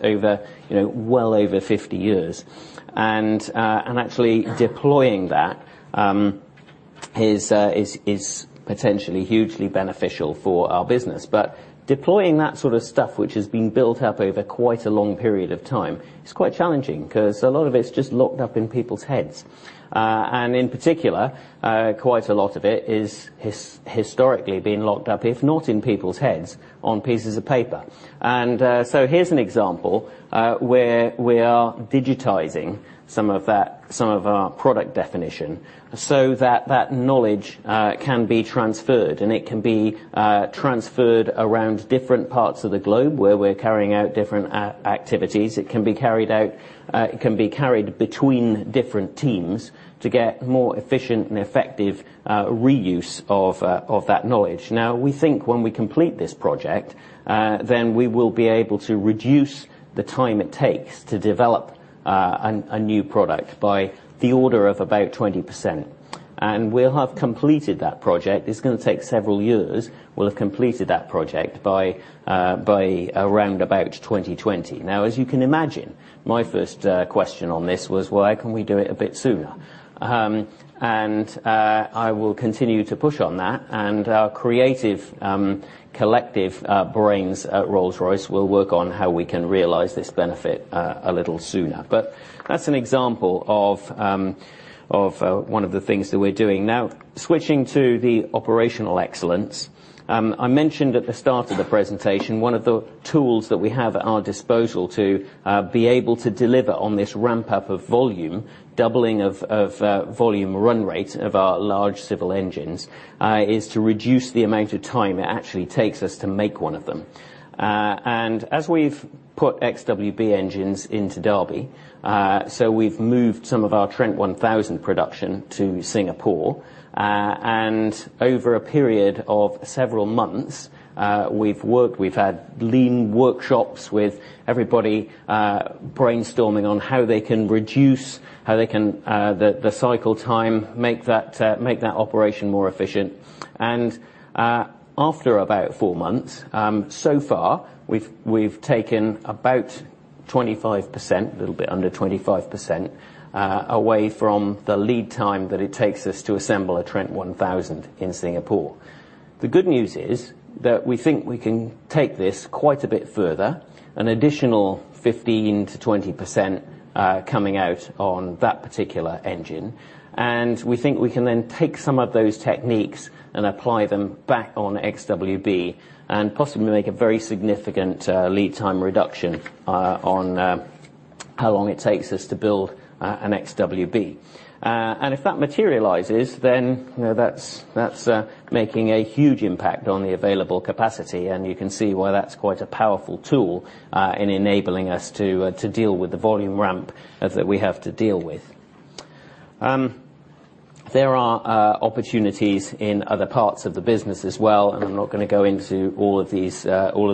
well over 50 years. Actually deploying that is potentially hugely beneficial for our business. Deploying that sort of stuff, which has been built up over quite a long period of time, is quite challenging because a lot of it is just locked up in people's heads. In particular, quite a lot of it has historically been locked up, if not in people's heads, on pieces of paper. Here's an example where we are digitizing some of our product definition so that that knowledge can be transferred, and it can be transferred around different parts of the globe where we're carrying out different activities. It can be carried between different teams to get more efficient and effective reuse of that knowledge. Now, we think when we complete this project, then we will be able to reduce the time it takes to develop a new product by the order of about 20%. We'll have completed that project, it's going to take several years, we'll have completed that project by around about 2020. As you can imagine, my first question on this was, why can we do it a bit sooner? I will continue to push on that, and our creative collective brains at Rolls-Royce will work on how we can realize this benefit a little sooner. That's an example of one of the things that we're doing. Switching to the operational excellence. I mentioned at the start of the presentation, one of the tools that we have at our disposal to be able to deliver on this ramp-up of volume, doubling of volume run rate of our large civil engines, is to reduce the amount of time it actually takes us to make one of them. As we've put XWB engines into Derby, so we've moved some of our Trent 1000 production to Singapore. Over a period of several months, we've had lean workshops with everybody brainstorming on how they can reduce the cycle time, make that operation more efficient. After about four months, so far, we've taken about 25%, a little bit under 25%, away from the lead time that it takes us to assemble a Trent 1000 in Singapore. The good news is that we think we can take this quite a bit further, an additional 15%-20% coming out on that particular engine. We think we can then take some of those techniques and apply them back on XWB and possibly make a very significant lead time reduction on how long it takes us to build an XWB. If that materializes, that's making a huge impact on the available capacity, and you can see why that's quite a powerful tool in enabling us to deal with the volume ramp that we have to deal with. There are opportunities in other parts of the business as well, and I'm not going to go into all of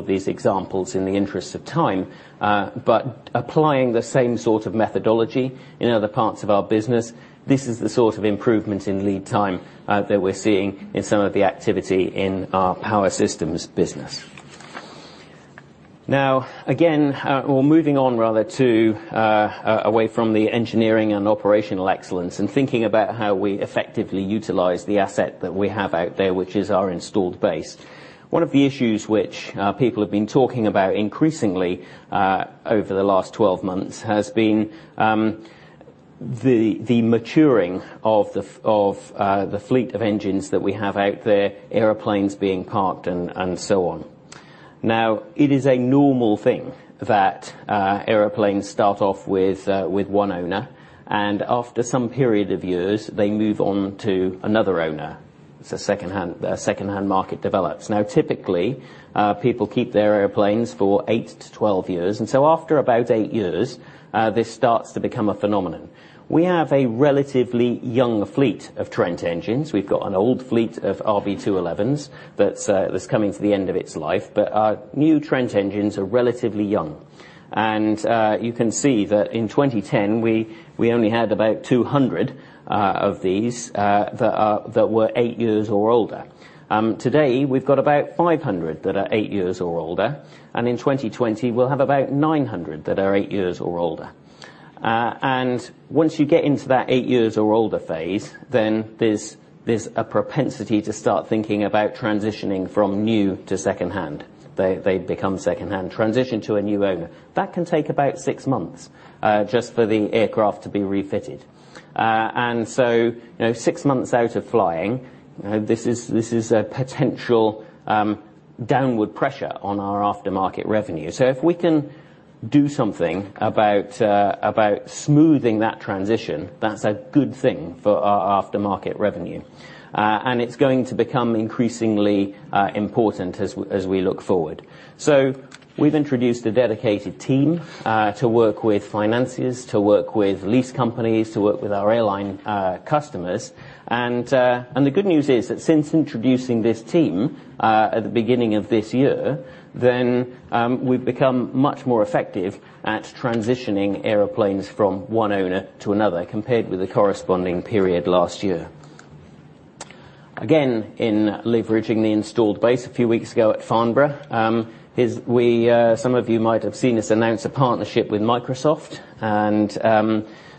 these examples in the interest of time. Applying the same sort of methodology in other parts of our business, this is the sort of improvement in lead time that we're seeing in some of the activity in our Power Systems business. Again, or moving on rather to away from the engineering and operational excellence and thinking about how we effectively utilize the asset that we have out there, which is our installed base. One of the issues which people have been talking about increasingly over the last 12 months has been the maturing of the fleet of engines that we have out there, airplanes being parked and so on. It is a normal thing that airplanes start off with one owner, and after some period of years, they move on to another owner. It's a secondhand market develops. Typically people keep their airplanes for 8-12 years, and so after about eight years this starts to become a phenomenon. We have a relatively young fleet of Trent engines. We've got an old fleet of RB211s that's coming to the end of its life, but our new Trent engines are relatively young. You can see that in 2010, we only had about 200 of these that were eight years or older. Today, we've got about 500 that are eight years or older. In 2020 we'll have about 900 that are eight years or older. Once you get into that eight years or older phase, there's a propensity to start thinking about transitioning from new to secondhand. They become secondhand, transition to a new owner. That can take about six months just for the aircraft to be refitted. Six months out of flying this is a potential downward pressure on our aftermarket revenue. If we can do something about smoothing that transition, that's a good thing for our aftermarket revenue. It's going to become increasingly important as we look forward. We've introduced a dedicated team to work with financiers, to work with lease companies, to work with our airline customers. The good news is that since introducing this team at the beginning of this year, we've become much more effective at transitioning airplanes from one owner to another compared with the corresponding period last year. Again, in leveraging the installed base a few weeks ago at Farnborough some of you might have seen us announce a partnership with Microsoft.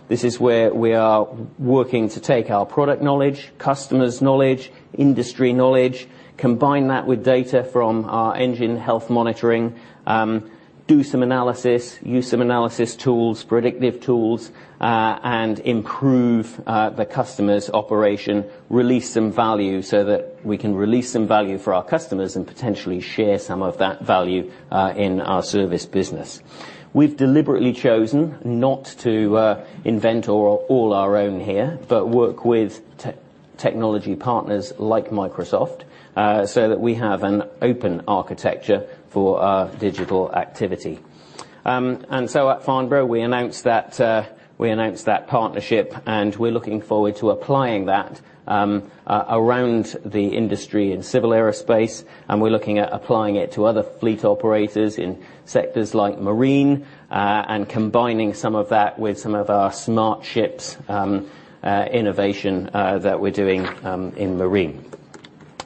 This is where we are working to take our product knowledge, customers knowledge, industry knowledge, combine that with data from our engine health monitoring, do some analysis, use some analysis tools, predictive tools and improve the customer's operation. Release some value so that we can release some value for our customers and potentially share some of that value in our service business. We've deliberately chosen not to invent all our own here, but work with technology partners like Microsoft so that we have an open architecture for our digital activity. At Farnborough we announced that partnership. We're looking forward to applying that around the industry in Civil Aerospace. We're looking at applying it to other fleet operators in sectors like marine and combining some of that with some of our smart ships innovation that we're doing in marine.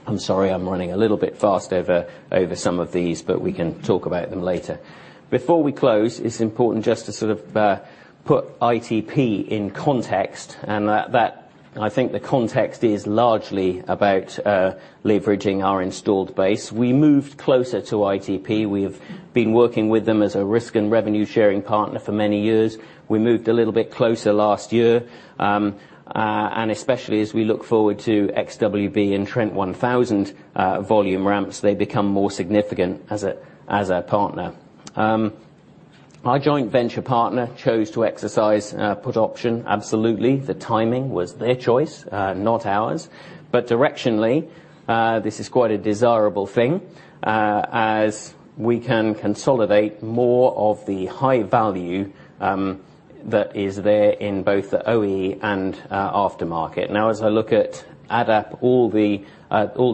I'm sorry I'm running a little bit fast over some of these, but we can talk about them later. Before we close, it's important just to sort of put ITP in context. I think the context is largely about leveraging our installed base. We moved closer to ITP. We have been working with them as a risk and revenue-sharing partner for many years. We moved a little bit closer last year. Especially as we look forward to XWB and Trent 1000 volume ramps, they become more significant as a partner. Our joint venture partner chose to exercise put option, absolutely. The timing was their choice, not ours. Directionally this is quite a desirable thing as we can consolidate more of the high value that is there in both the OE and aftermarket. As I add up all the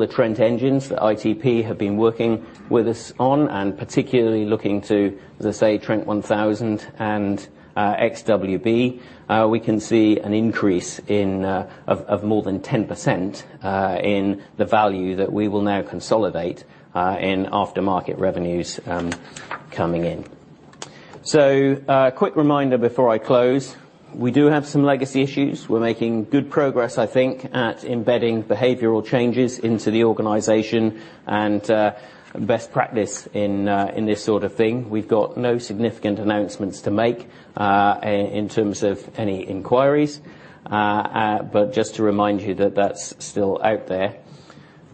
Trent engines that ITP have been working with us on and particularly looking to, as I say, Trent 1000 and XWB, we can see an increase of more than 10% in the value that we will now consolidate in aftermarket revenues coming in. A quick reminder before I close, we do have some legacy issues. We're making good progress, I think, at embedding behavioral changes into the organization and best practice in this sort of thing. We've got no significant announcements to make in terms of any inquiries. Just to remind you that that's still out there.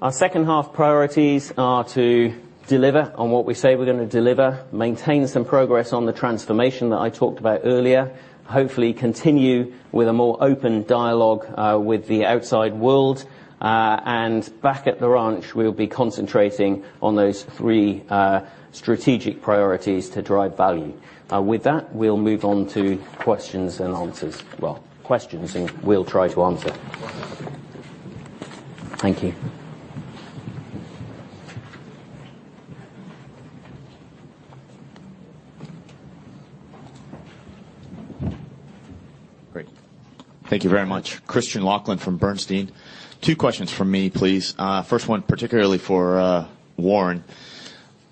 Our second half priorities are to deliver on what we say we're going to deliver, maintain some progress on the transformation that I talked about earlier. Hopefully continue with a more open dialogue with the outside world. Back at the ranch, we'll be concentrating on those three strategic priorities to drive value. With that, we'll move on to questions and answers. Well, questions, we'll try to answer. Thank you. Great. Thank you very much. Christian Laughlin from Bernstein. Two questions from me, please. First one, particularly for Warren.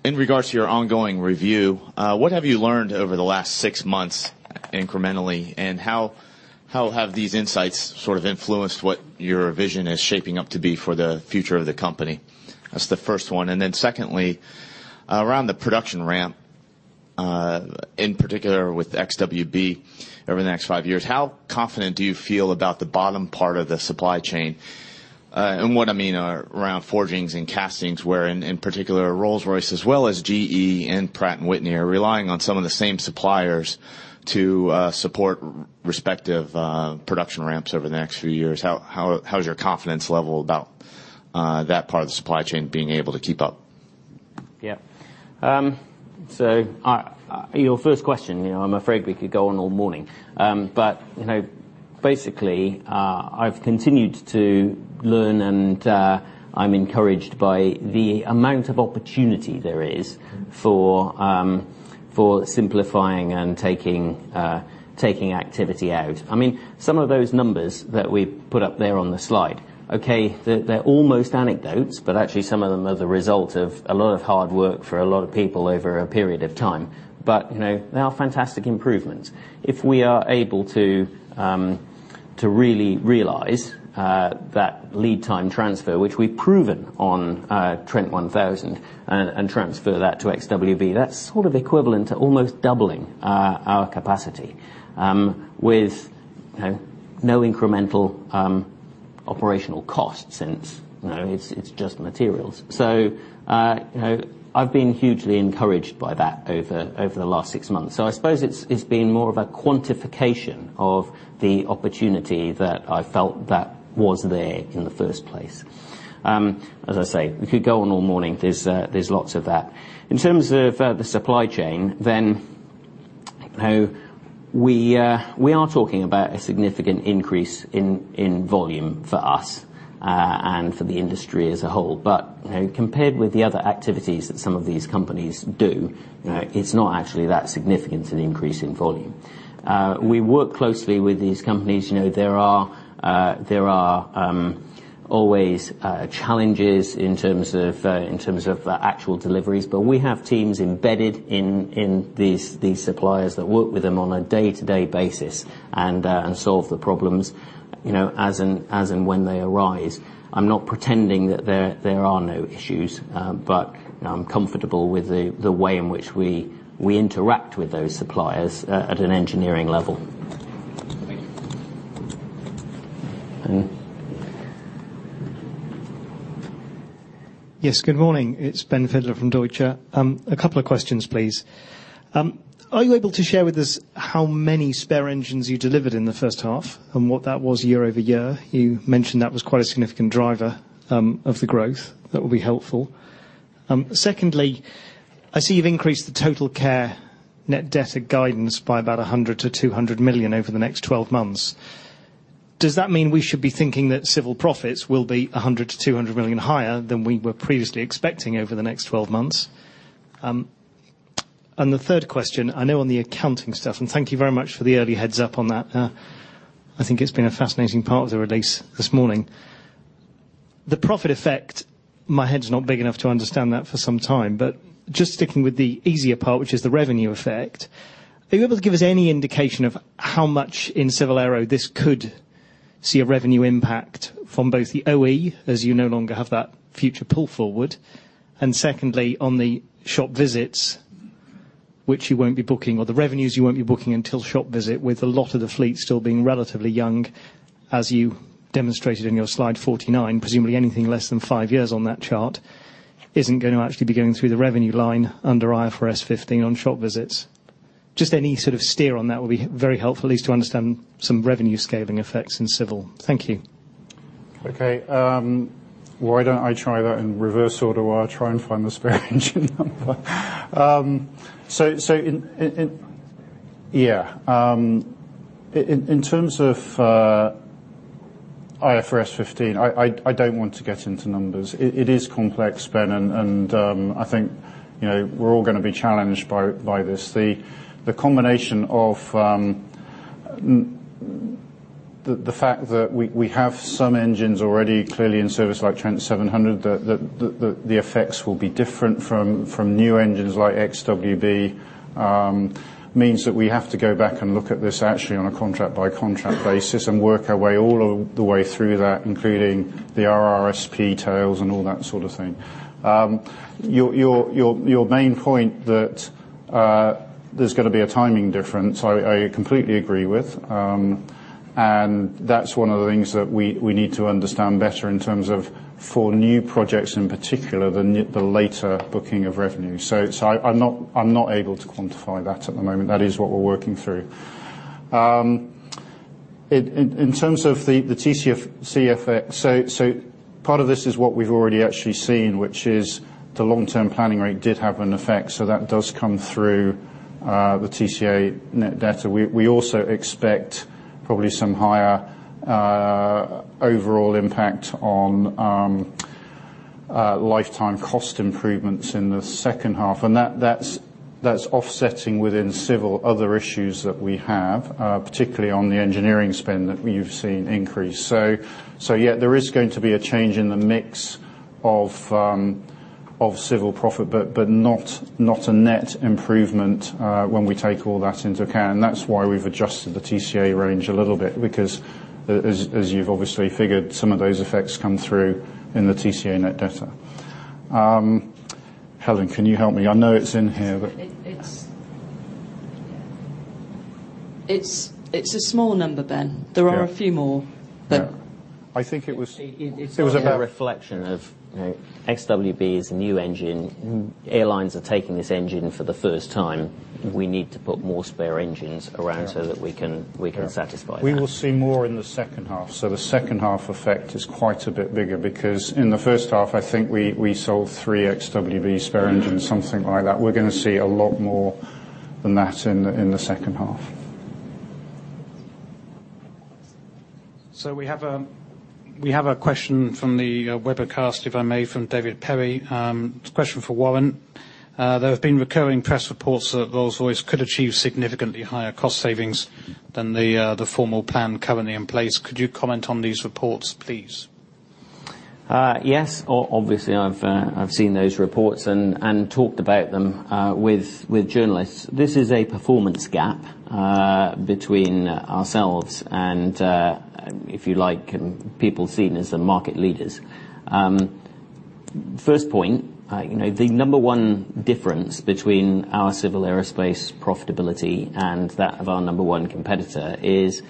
In regards to your ongoing review, what have you learned over the last six months incrementally, and how have these insights sort of influenced what your vision is shaping up to be for the future of the company? That's the first one. Secondly, around the production ramp, in particular with Trent XWB over the next five years, how confident do you feel about the bottom part of the supply chain? What I mean are around forgings and castings, where in particular Rolls-Royce as well as GE and Pratt & Whitney are relying on some of the same suppliers to support respective production ramps over the next few years. How's your confidence level about that part of the supply chain being able to keep up? Yeah. Your first question, I'm afraid we could go on all morning. Basically, I've continued to learn, and I'm encouraged by the amount of opportunity there is for simplifying and taking activity out. Some of those numbers that we put up there on the slide, okay, they're almost anecdotes, but actually some of them are the result of a lot of hard work for a lot of people over a period of time. They are fantastic improvements. If we are able to really realize that lead time transfer, which we've proven on Trent 1000 and transfer that to Trent XWB, that's sort of equivalent to almost doubling our capacity, with no incremental operational cost since it's just materials. I've been hugely encouraged by that over the last six months. I suppose it's been more of a quantification of the opportunity that I felt that was there in the first place. As I say, we could go on all morning. There's lots of that. In terms of the supply chain, we are talking about a significant increase in volume for us, and for the industry as a whole. Compared with the other activities that some of these companies do, it's not actually that significant an increase in volume. We work closely with these companies. There are always challenges in terms of the actual deliveries, but we have teams embedded in these suppliers that work with them on a day-to-day basis and solve the problems, as in when they arise. I'm not pretending that there are no issues. I'm comfortable with the way in which we interact with those suppliers at an engineering level. Thank you. Ian. Yes, good morning. It's Ben Fidler from Deutsche. A couple of questions, please. Are you able to share with us how many spare engines you delivered in the first half and what that was year-over-year? You mentioned that was quite a significant driver of the growth. That would be helpful. Secondly, I see you've increased the TotalCare net debtor guidance by about 100 million-200 million over the next 12 months. Does that mean we should be thinking that Civil profits will be 100 million-200 million higher than we were previously expecting over the next 12 months? The third question, I know on the accounting stuff, and thank you very much for the early heads-up on that. I think it's been a fascinating part of the release this morning. The profit effect, my head's not big enough to understand that for some time, just sticking with the easier part, which is the revenue effect, are you able to give us any indication of how much in Civil aero this could see a revenue impact from both the OE, as you no longer have that future pull forward, and secondly, on the shop visits, which you won't be booking, or the revenues you won't be booking until shop visit with a lot of the fleet still being relatively young, as you demonstrated in your slide 49, presumably anything less than five years on that chart, isn't going to actually be going through the revenue line under IFRS 15 on shop visits. Just any sort of steer on that will be very helpful, at least to understand some revenue scaling effects in Civil. Thank you. Okay. Why don't I try that in reverse order while I try and find the spare engine number? Yeah. In terms of IFRS 15, I don't want to get into numbers. It is complex, Ben, I think we're all going to be challenged by this. The fact that we have some engines already clearly in service, like Trent 700, the effects will be different from new engines like XWB, means that we have to go back and look at this actually on a contract-by-contract basis and work our way all the way through that, including the RRSP tails and all that sort of thing. Your main point that there's going to be a timing difference, I completely agree with. That's one of the things that we need to understand better in terms of for new projects, in particular, the later booking of revenue. I'm not able to quantify that at the moment. That is what we're working through. In terms of the TCAS effects, so part of this is what we've already actually seen, which is the long-term planning rate did have an effect, so that does come through the TCA net delta. We also expect probably some higher overall impact on lifetime cost improvements in the second half, and that's offsetting within civil other issues that we have, particularly on the engineering spend that you've seen increase. Yeah, there is going to be a change in the mix of civil profit, but not a net improvement when we take all that into account, and that's why we've adjusted the TCA range a little bit, because as you've obviously figured, some of those effects come through in the TCA net delta. Helen, can you help me? I know it's in here. It's a small number, Ben. Yeah. There are a few more. Yeah. I think it was. It was about a reflection of XWB is a new engine. Airlines are taking this engine for the first time. We need to put more spare engines around. Yeah That we can satisfy that. We will see more in the second half. The second-half effect is quite a bit bigger, because in the first half, I think we sold three XWB spare engines, something like that. We're going to see a lot more than that in the second half. We have a question from the webcast, if I may, from David Perry. It's a question for Warren. There have been recurring press reports that Rolls-Royce could achieve significantly higher cost savings than the formal plan currently in place. Could you comment on these reports, please? Yes. Obviously, I've seen those reports and talked about them with journalists. This is a performance gap between ourselves and, if you like, people seen as the market leaders. First point, the number one difference between our Civil Aerospace profitability and that of our number one competitor is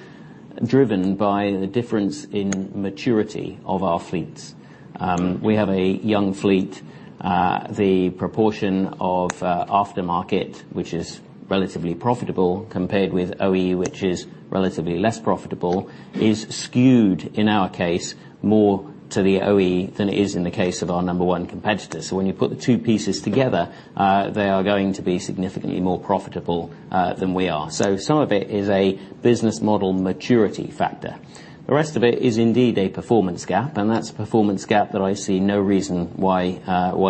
driven by the difference in maturity of our fleets. We have a young fleet. The proportion of aftermarket, which is relatively profitable compared with OE, which is relatively less profitable, is skewed, in our case, more to the OE than it is in the case of our number one competitor. When you put the two pieces together, they are going to be significantly more profitable than we are. Some of it is a business model maturity factor. The rest of it is indeed a performance gap, and that's a performance gap that I see no reason why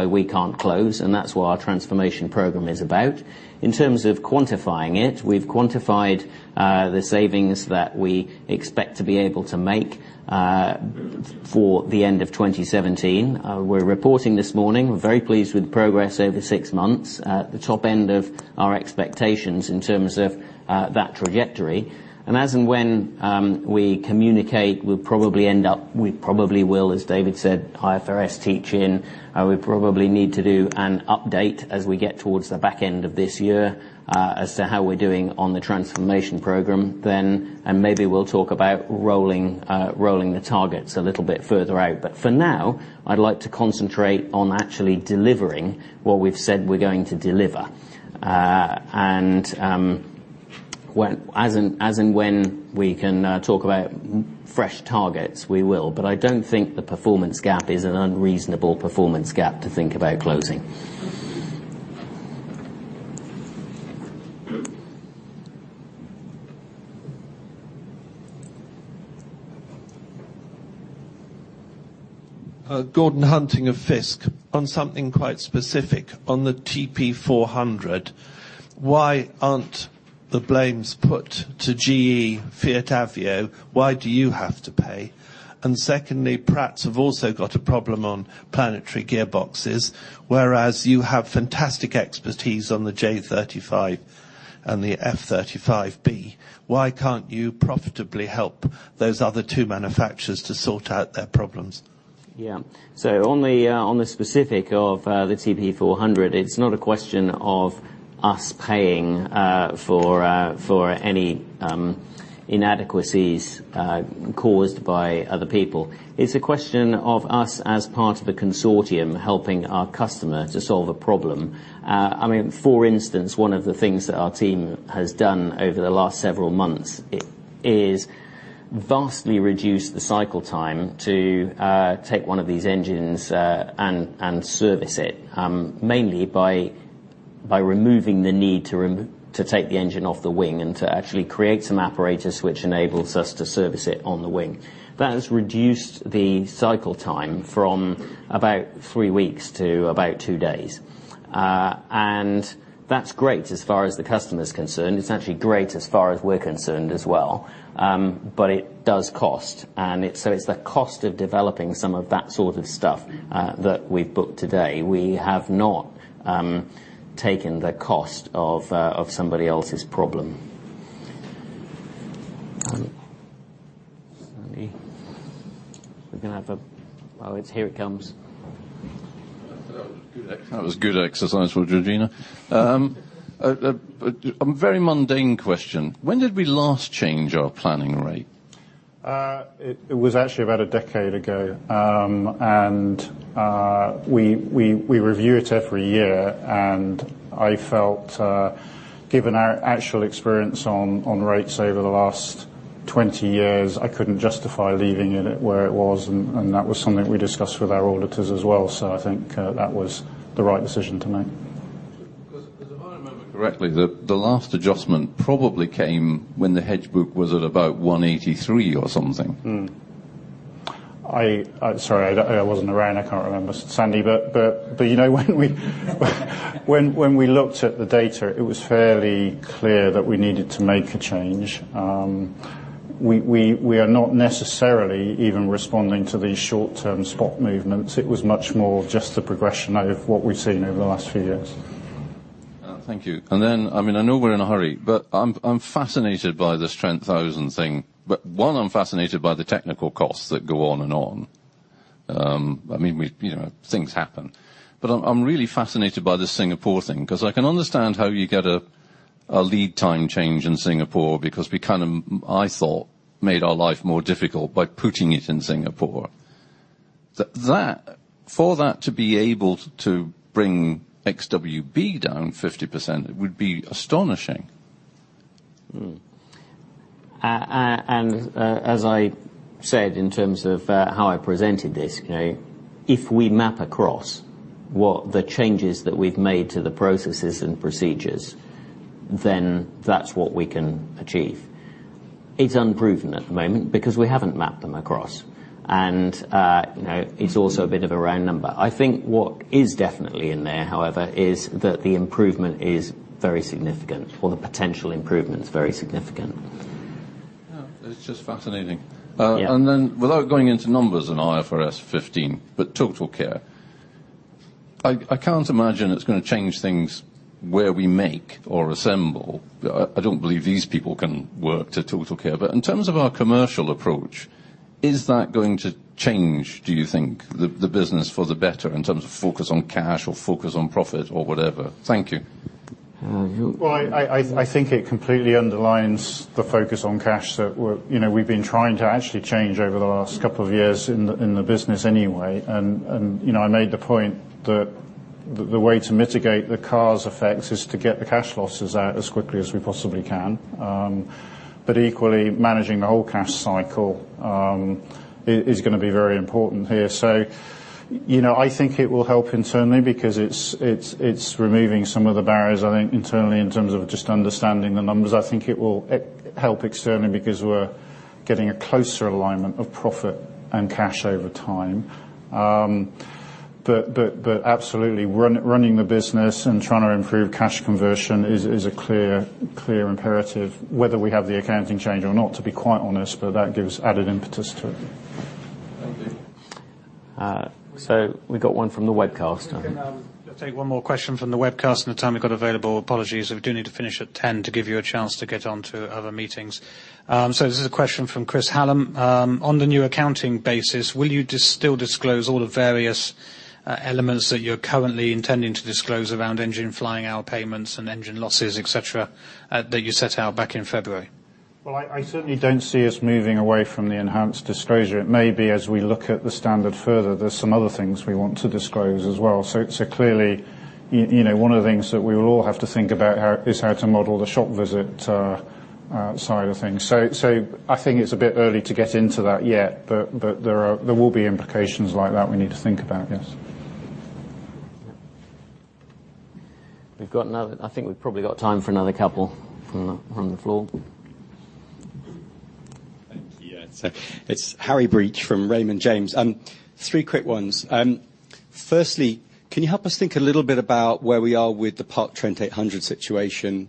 we can't close, and that's what our transformation program is about. In terms of quantifying it, we've quantified the savings that we expect to be able to make for the end of 2017. We're reporting this morning, we're very pleased with progress over six months. The top end of our expectations in terms of that trajectory. As and when we communicate, we probably will, as David said, IFRS 15, we probably need to do an update as we get towards the back end of this year as to how we're doing on the transformation program then. Maybe we'll talk about rolling the targets a little bit further out. For now, I'd like to concentrate on actually delivering what we've said we're going to deliver. As and when we can talk about fresh targets, we will. I don't think the performance gap is an unreasonable performance gap to think about closing. Gordon Hunting of Fiske. On something quite specific on the TP400, why aren't the blames put to GE, Avio Aero? Why do you have to pay? Secondly, Pratts have also got a problem on planetary gearboxes, whereas you have fantastic expertise on the J35 and the F-35B. Why can't you profitably help those other two manufacturers to sort out their problems? Yeah. On the specific of the TP400, it's not a question of us paying for any inadequacies caused by other people. It's a question of us, as part of a consortium, helping our customer to solve a problem. For instance, one of the things that our team has done over the last several months is vastly reduce the cycle time to take one of these engines and service it, mainly by removing the need to take the engine off the wing and to actually create some apparatus which enables us to service it on the wing. That has reduced the cycle time from about three weeks to about two days. That's great as far as the customer's concerned. It's actually great as far as we're concerned as well. It does cost. It's the cost of developing some of that sort of stuff that we've booked today. We have not taken the cost of somebody else's problem. Sandy. Oh, here it comes. That was a good exercise for Georgina. A very mundane question. When did we last change our planning rate? It was actually about a decade ago. We review it every year. I felt, given our actual experience on rates over the last 20 years, I couldn't justify leaving it where it was, and that was something we discussed with our auditors as well. I think that was the right decision to make. Because if I remember correctly, the last adjustment probably came when the hedge book was at about 183 or something. Sorry, I wasn't around, I can't remember, Sandy. When we looked at the data, it was fairly clear that we needed to make a change. We are not necessarily even responding to these short-term spot movements. It was much more just the progression out of what we've seen over the last few years. Thank you. I know we're in a hurry, but I'm fascinated by this Trent 1000 thing. One, I'm fascinated by the technical costs that go on and on. Things happen. I'm really fascinated by the Singapore thing, because I can understand how you get a lead time change in Singapore because we kind of, I thought, made our life more difficult by putting it in Singapore. For that to be able to bring Trent XWB down 50% would be astonishing. As I said, in terms of how I presented this, if we map across what the changes that we've made to the processes and procedures, then that's what we can achieve. It's unproven at the moment because we haven't mapped them across. It's also a bit of a round number. I think what is definitely in there, however, is that the improvement is very significant, or the potential improvement is very significant. Yeah. It's just fascinating. Yeah. Without going into numbers on IFRS 15, TotalCare. I can't imagine it's going to change things where we make or assemble. I don't believe these people can work to TotalCare. In terms of our commercial approach, is that going to change, do you think, the business for the better in terms of focus on cash or focus on profit or whatever? Thank you. Well, I think it completely underlines the focus on cash that we've been trying to actually change over the last couple of years in the business anyway. I made the point that the way to mitigate the CARs effect is to get the cash losses out as quickly as we possibly can. Equally, managing the whole cash cycle, is going to be very important here. I think it will help internally because it's removing some of the barriers, I think, internally, in terms of just understanding the numbers. I think it will help externally because we're getting a closer alignment of profit and cash over time. Absolutely, running the business and trying to improve cash conversion is a clear imperative, whether we have the accounting change or not, to be quite honest, but that gives added impetus to it. Thank you. We got one from the webcast. We can take one more question from the webcast in the time we've got available. Apologies, we do need to finish at 10:00 to give you a chance to get onto other meetings. This is a question from Chris Hallam. On the new accounting basis, will you still disclose all the various elements that you're currently intending to disclose around engine flying hour payments and engine losses, et cetera, that you set out back in February? I certainly don't see us moving away from the enhanced disclosure. It may be as we look at the standard further, there's some other things we want to disclose as well. Clearly, one of the things that we will all have to think about is how to model the shop visit side of things. I think it's a bit early to get into that yet, but there will be implications like that we need to think about, yes. I think we've probably got time for another couple from the floor. Thank you. It's Harry Breach from Raymond James. Three quick ones. Firstly, can you help us think a little bit about where we are with the parked Trent 800 situation,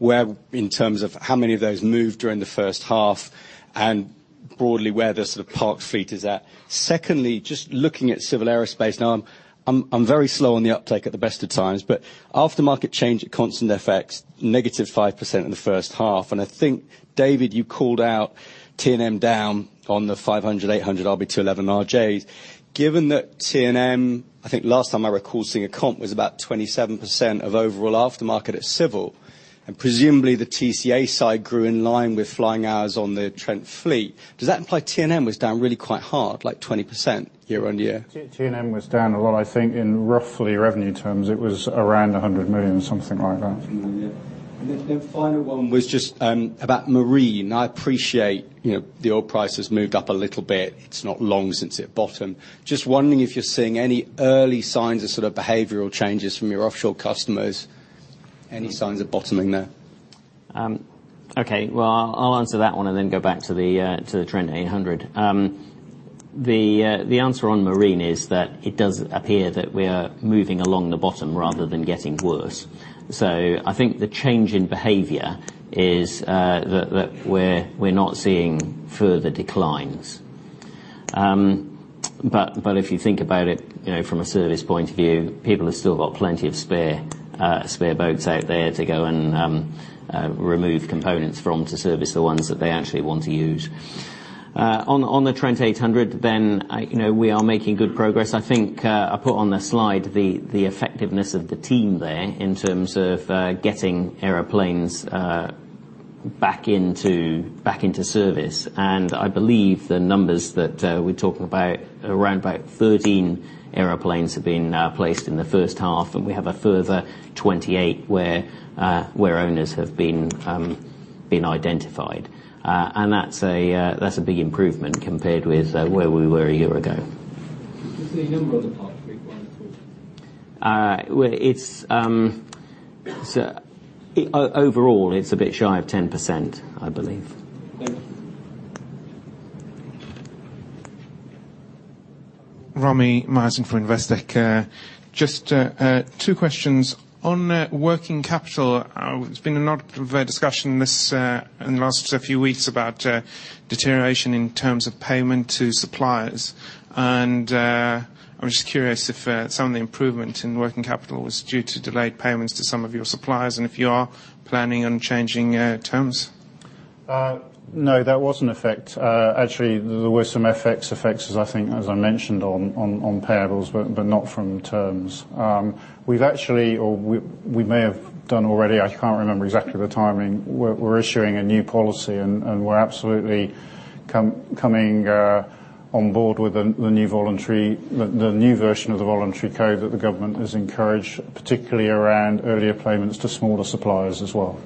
in terms of how many of those moved during the first half, and broadly where the sort of parked fleet is at? Secondly, just looking at Civil Aerospace. I'm very slow on the uptake at the best of times, but aftermarket change at constant FX, negative 5% in the first half. I think, David, you called out T&M down on the 500, 800 RB211 RJs. Given that T&M, I think last time I recall seeing a comp, was about 27% of overall aftermarket at civil, presumably the TCA side grew in line with flying hours on the Trent fleet. Does that imply T&M was down really quite hard, like 20% year-on-year? T&M was down a lot. I think in roughly revenue terms, it was around 100 million, something like that. The final one was just about marine. I appreciate the oil price has moved up a little bit. It's not long since it bottomed. Just wondering if you're seeing any early signs of sort of behavioral changes from your offshore customers. Any signs of bottoming there? I'll answer that one and then go back to the Trent 800. The answer on marine is that it does appear that we are moving along the bottom rather than getting worse. I think the change in behavior is that we're not seeing further declines. If you think about it from a service point of view, people have still got plenty of spare boats out there to go and remove components from to service the ones that they actually want to use. On the Trent 800, we are making good progress. I think I put on the slide the effectiveness of the team there in terms of getting airplanes back into service. I believe the numbers that we're talking about, around about 13 airplanes have been placed in the first half, and we have a further 28 where owners have been identified. That's a big improvement compared with where we were a year ago. [inaudible] Overall, it's a bit shy of 10%, I believe. Thank you. Ramy Mazen for Investec. Just two questions. On working capital, there's been a lot of discussion in the last few weeks about deterioration in terms of payment to suppliers. I was just curious if some of the improvement in working capital was due to delayed payments to some of your suppliers, and if you are planning on changing terms. No, that wasn't effect. Actually, there were some FX effects, I think, as I mentioned, on payables, but not from terms. We've actually, or we may have done already, I can't remember exactly the timing, we're issuing a new policy. We're absolutely coming on board with the new version of the voluntary code that the government has encouraged, particularly around earlier payments to smaller suppliers as well.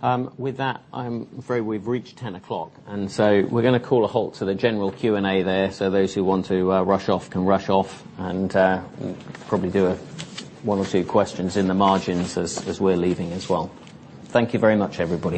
Thanks. Great. With that, I'm afraid we've reached 10:00 A.M. We're going to call a halt to the general Q&A there, so those who want to rush off can rush off, and probably do one or two questions in the margins as we're leaving as well. Thank you very much, everybody.